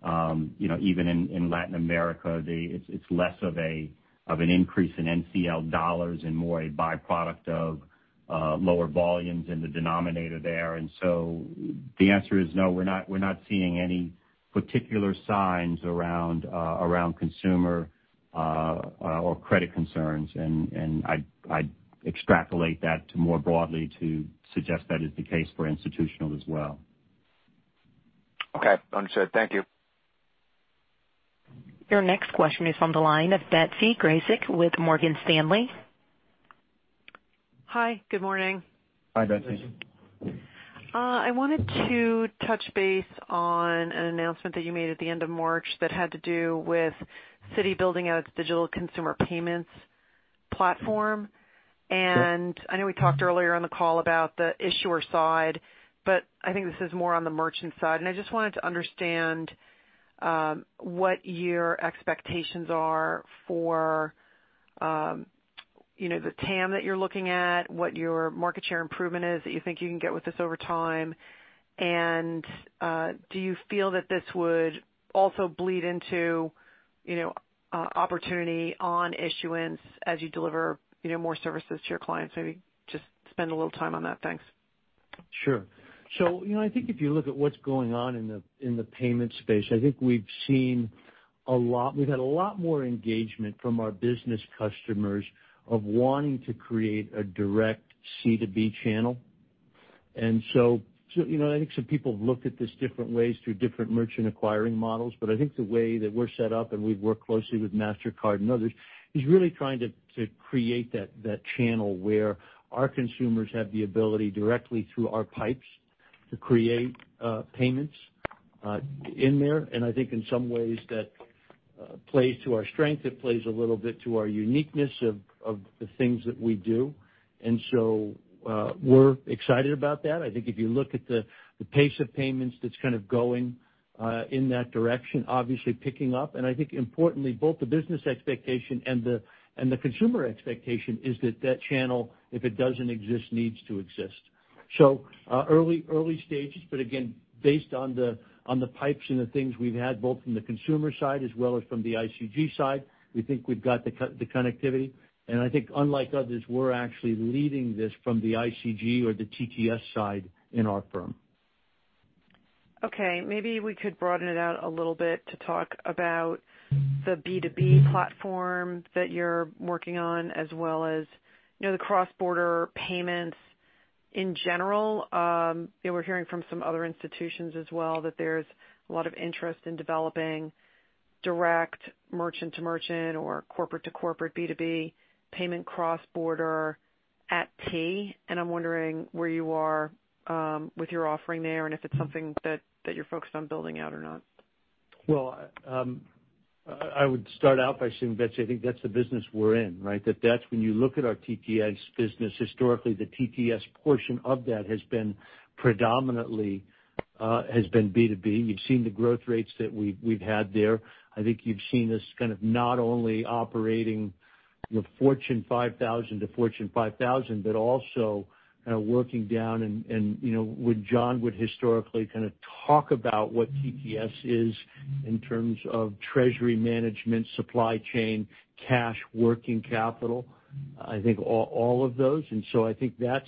Even in Latin America, it is less of an increase in NCL dollars and more a byproduct of lower volumes in the denominator there. The answer is no, we are not seeing any particular signs around consumer or credit concerns. I would extrapolate that to more broadly to suggest that is the case for institutional as well. Okay. Understood. Thank you. Your next question is from the line of Betsy Graseck with Morgan Stanley. Hi. Good morning. Hi, Betsy. I wanted to touch base on an announcement that you made at the end of March that had to do with Citi building out its digital consumer payments platform. I know we talked earlier on the call about the issuer side, but I think this is more on the merchant side. I just wanted to understand what your expectations are for the TAM that you're looking at, what your market share improvement is that you think you can get with this over time. Do you feel that this would also bleed into opportunity on issuance as you deliver more services to your clients? Maybe just spend a little time on that. Thanks. Sure. I think if you look at what's going on in the payments space, I think we've had a lot more engagement from our business customers of wanting to create a direct C2B channel. I think some people have looked at this different ways through different merchant acquiring models, but I think the way that we're set up, and we've worked closely with Mastercard and others, is really trying to create that channel where our consumers have the ability directly through our pipes to create payments in there. I think in some ways that plays to our strength, it plays a little bit to our uniqueness of the things that we do. We're excited about that. I think if you look at the pace of payments that's kind of going in that direction, obviously picking up, and I think importantly, both the business expectation and the consumer expectation is that that channel, if it doesn't exist, needs to exist. Early stages, but again, based on the pipes and the things we've had, both from the consumer side as well as from the ICG side, we think we've got the connectivity. I think unlike others, we're actually leading this from the ICG or the TTS side in our firm. Okay, maybe we could broaden it out a little bit to talk about the B2B platform that you're working on as well as the cross-border payments in general. We're hearing from some other institutions as well that there's a lot of interest in developing direct merchant-to-merchant or corporate-to-corporate B2B payment cross-border TTS. I'm wondering where you are with your offering there and if it's something that you're focused on building out or not. I would start out by saying, Betsy, I think that's the business we're in, right? When you look at our TTS business, historically, the TTS portion of that has been predominantly B2B. You've seen the growth rates that we've had there. I think you've seen us kind of not only operating with Fortune 5,000 to Fortune 5,000, but also kind of working down and would John would historically kind of talk about what TTS is in terms of treasury management, supply chain, cash, working capital, I think all of those. I think that's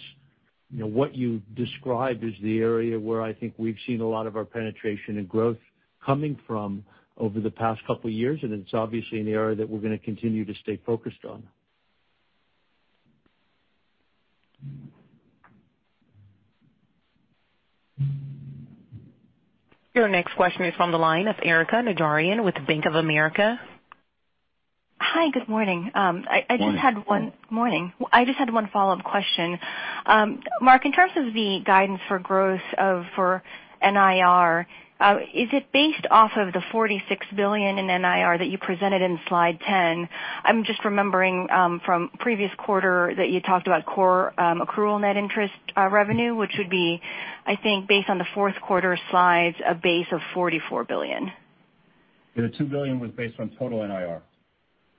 what you described is the area where I think we've seen a lot of our penetration and growth coming from over the past couple of years, and it's obviously an area that we're going to continue to stay focused on. Your next question is from the line of Erika Najarian with Bank of America. Hi, good morning. Morning. Morning. I just had one follow-up question. Mark, in terms of the guidance for growth for NIR, is it based off of the $46 billion in NIR that you presented in slide 10? I'm just remembering from the previous quarter that you talked about core accrual net interest revenue, which would be, I think, based on the fourth quarter slides, a base of $44 billion. The $2 billion was based on total NIR.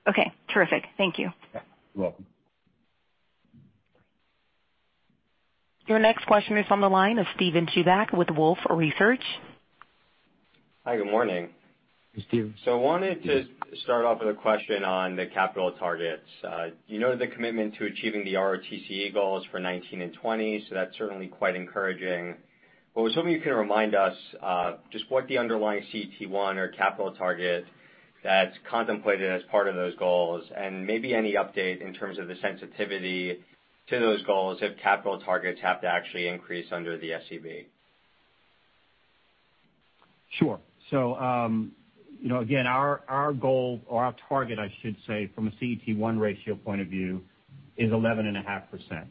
Okay, terrific. Thank you. Yeah. You're welcome. Your next question is on the line of Steven Chubak with Wolfe Research. Hi, good morning. Hey, Steve. I wanted to start off with a question on the capital targets. You noted the commitment to achieving the ROTCE goals for 2019 and 2020, that's certainly quite encouraging. I was hoping you could remind us just what the underlying CET1 or capital target that's contemplated as part of those goals, and maybe any update in terms of the sensitivity to those goals if capital targets have to actually increase under the SCB. Sure. Again, our goal or our target, I should say, from a CET1 ratio point of view is 11.5%.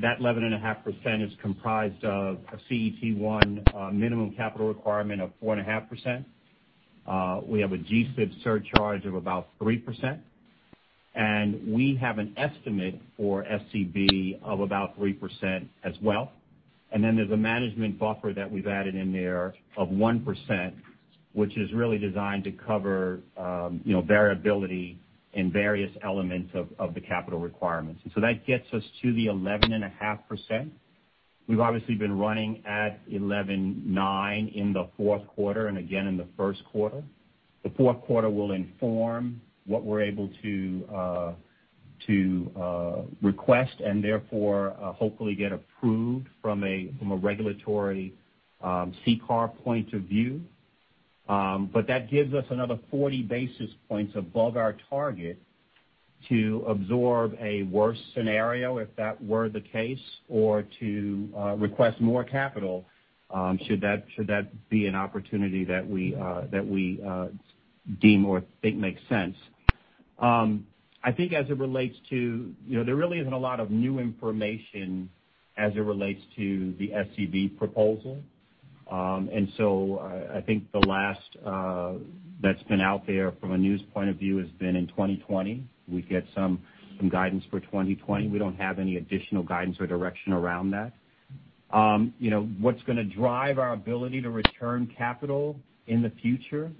That 11.5% is comprised of a CET1 minimum capital requirement of 4.5%. We have a GSIB surcharge of about 3%, and we have an estimate for SCB of about 3% as well. Then there's a management buffer that we've added in there of 1%, which is really designed to cover variability in various elements of the capital requirements. That gets us to the 11.5%. We've obviously been running at 11.9 in the fourth quarter and again in the first quarter. The fourth quarter will inform what we're able to request and therefore hopefully get approved from a regulatory CCAR point of view. That gives us another 40 basis points above our target to absorb a worse scenario if that were the case, or to request more capital should that be an opportunity that we deem or think makes sense. I think as it relates to there really isn't a lot of new information as it relates to the SCB proposal. I think the last that's been out there from a news point of view has been in 2020. We get some guidance for 2020. We don't have any additional guidance or direction around that. What's going to drive our ability to return capital in the future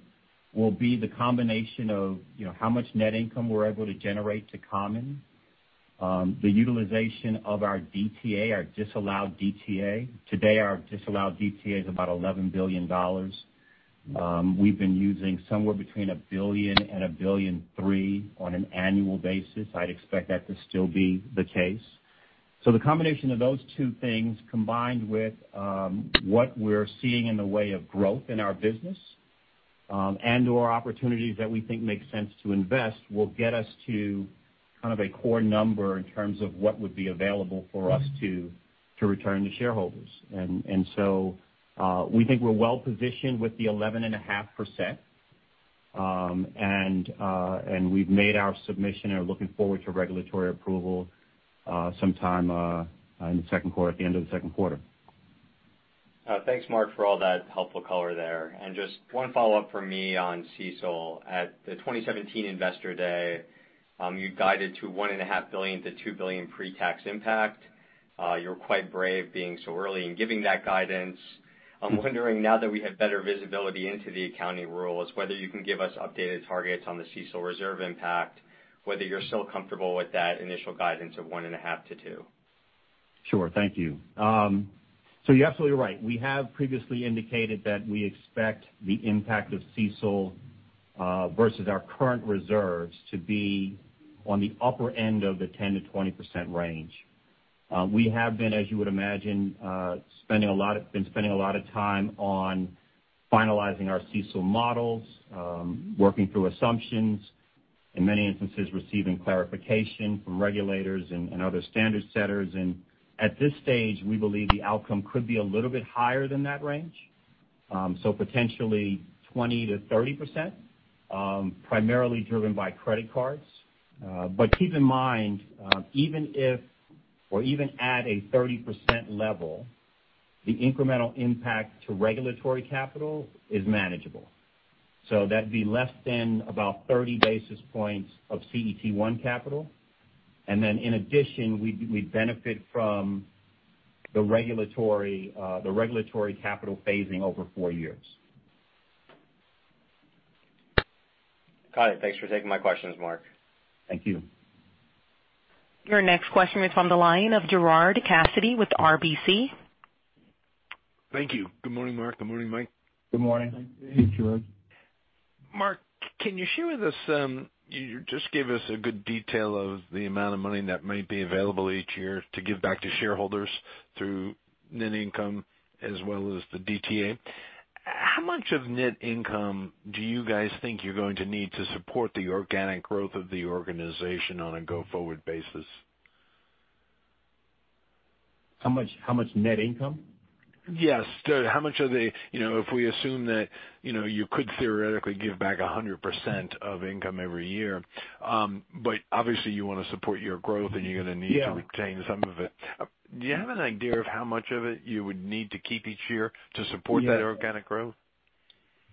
will be the combination of how much net income we're able to generate to common, the utilization of our DTA, our disallowed DTA. Today, our disallowed DTA is about $11 billion. We've been using somewhere between $1 billion and $1.3 billion on an annual basis. I'd expect that to still be the case. The combination of those two things, combined with what we're seeing in the way of growth in our business, and/or opportunities that we think make sense to invest will get us to kind of a core number in terms of what would be available for us to return to shareholders. We think we're well-positioned with the 11.5%, and we've made our submission and are looking forward to regulatory approval sometime at the end of the second quarter. Thanks, Mark, for all that helpful color there. Just one follow-up from me on CECL. At the 2017 Investor Day, you guided to $1.5 billion-$2 billion pre-tax impact. You were quite brave being so early in giving that guidance. I'm wondering, now that we have better visibility into the accounting rules, whether you can give us updated targets on the CECL reserve impact, whether you're still comfortable with that initial guidance of $1.5 billion to $2 billion. Sure. Thank you. You're absolutely right. We have previously indicated that we expect the impact of CECL versus our current reserves to be on the upper end of the 10%-20% range. We have been, as you would imagine, spending a lot of time on finalizing our CECL models, working through assumptions, in many instances, receiving clarification from regulators and other standard setters. At this stage, we believe the outcome could be a little bit higher than that range. Potentially 20%-30%, primarily driven by credit cards. Keep in mind, even at a 30% level, the incremental impact to regulatory capital is manageable. That'd be less than about 30 basis points of CET1 capital. In addition, we benefit from the regulatory capital phasing over four years. Got it. Thanks for taking my questions, Mark. Thank you. Your next question is from the line of Gerard Cassidy with RBC. Thank you. Good morning, Mark. Good morning, Mike. Good morning. Hey, Gerard. Mark, can you share with us you just gave us a good detail of the amount of money that might be available each year to give back to shareholders through net income as well as the DTA. How much of net income do you guys think you're going to need to support the organic growth of the organization on a go-forward basis? How much net income? Yes. If we assume that you could theoretically give back 100% of income every year. Obviously you want to support your growth, and you're going to need Yeah to retain some of it. Do you have an idea of how much of it you would need to keep each year to support Yeah that organic growth?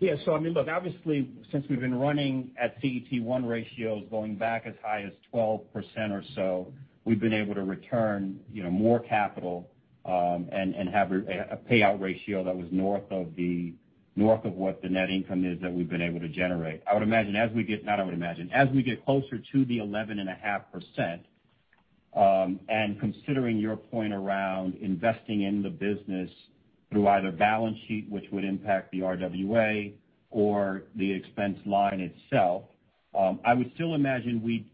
Yeah. Look, obviously since we've been running at CET1 ratios going back as high as 12% or so, we've been able to return more capital, and have a payout ratio that was north of what the net income is that we've been able to generate. As we get closer to the 11.5%, and considering your point around investing in the business through either balance sheet, which would impact the RWA or the expense line itself, I would still imagine we'd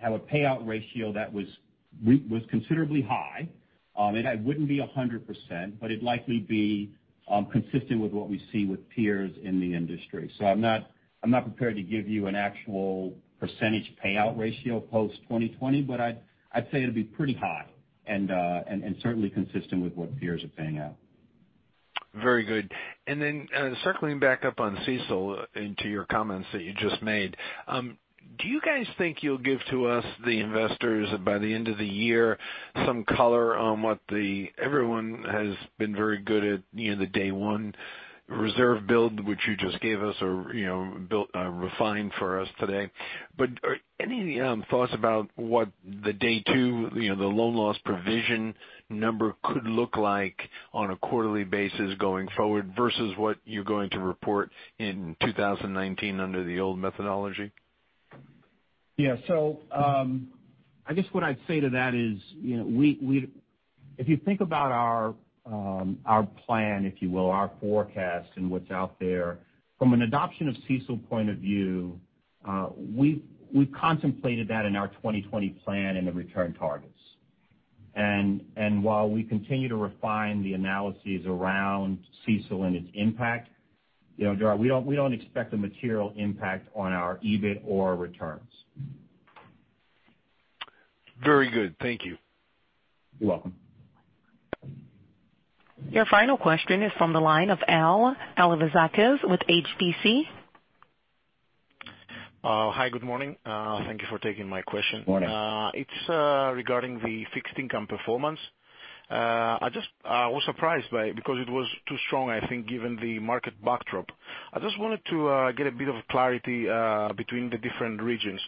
have a payout ratio that was considerably high. It wouldn't be 100%, but it'd likely be consistent with what we see with peers in the industry. I'm not prepared to give you an actual percentage payout ratio post 2020, but I'd say it'll be pretty high and certainly consistent with what peers are paying out. Very good. Circling back up on CECL into your comments that you just made. Do you guys think you'll give to us, the investors, by the end of the year some color on what everyone has been very good at the day one reserve build, which you just gave us or refined for us today? Any thoughts about what the day two, the loan loss provision number could look like on a quarterly basis going forward versus what you're going to report in 2019 under the old methodology? Yeah. I guess what I'd say to that is if you think about our plan, if you will, our forecast and what's out there. From an adoption of CECL point of view, we've contemplated that in our 2020 plan and the return targets. While we continue to refine the analyses around CECL and its impact, Gerard, we don't expect a material impact on our EBIT or returns. Very good. Thank you. You're welcome. Your final question is from the line of Al Alevizakos with HSBC. Hi, good morning. Thank you for taking my question. Morning. It's regarding the Fixed Income performance. I was surprised by it because it was too strong, I think, given the market backdrop. I just wanted to get a bit of clarity between the different regions.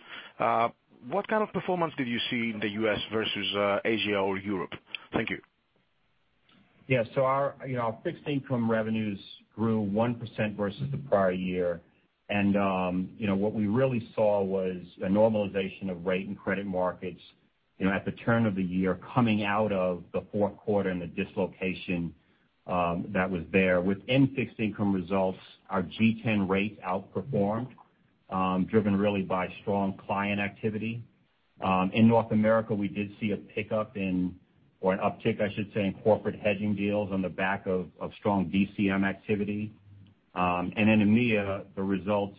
What kind of performance did you see in the U.S. versus Asia or Europe? Thank you. Yeah. Our Fixed Income revenues grew 1% versus the prior year. What we really saw was a normalization of rate and credit markets at the turn of the year, coming out of the fourth quarter and the dislocation that was there. Within Fixed Income results, our G10 rates outperformed, driven really by strong client activity. In North America, we did see a pickup in or an uptick, I should say, in corporate hedging deals on the back of strong DCM activity. In EMEA, the results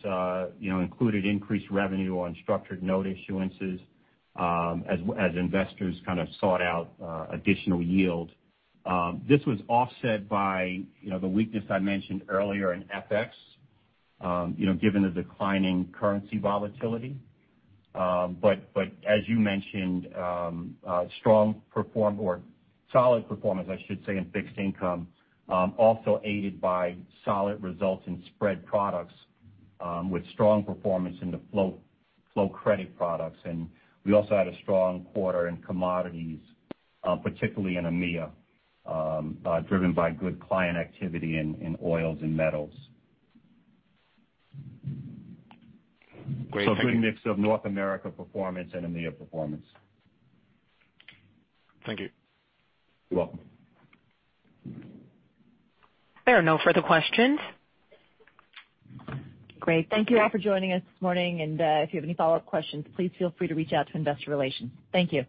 included increased revenue on structured note issuances as investors kind of sought out additional yield. This was offset by the weakness I mentioned earlier in FX given the declining currency volatility. As you mentioned, solid performance, I should say, in Fixed Income, also aided by solid results in spread products with strong performance in the flow credit products. We also had a strong quarter in commodities, particularly in EMEA, driven by good client activity in oils and metals. Great, thank you. Good mix of North America performance and EMEA performance. Thank you. You're welcome. There are no further questions. Great. Thank you all for joining us this morning, and if you have any follow-up questions, please feel free to reach out to investor relations. Thank you.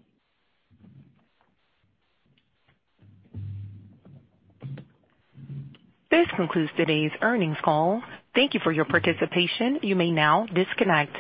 This concludes today's earnings call. Thank you for your participation. You may now disconnect.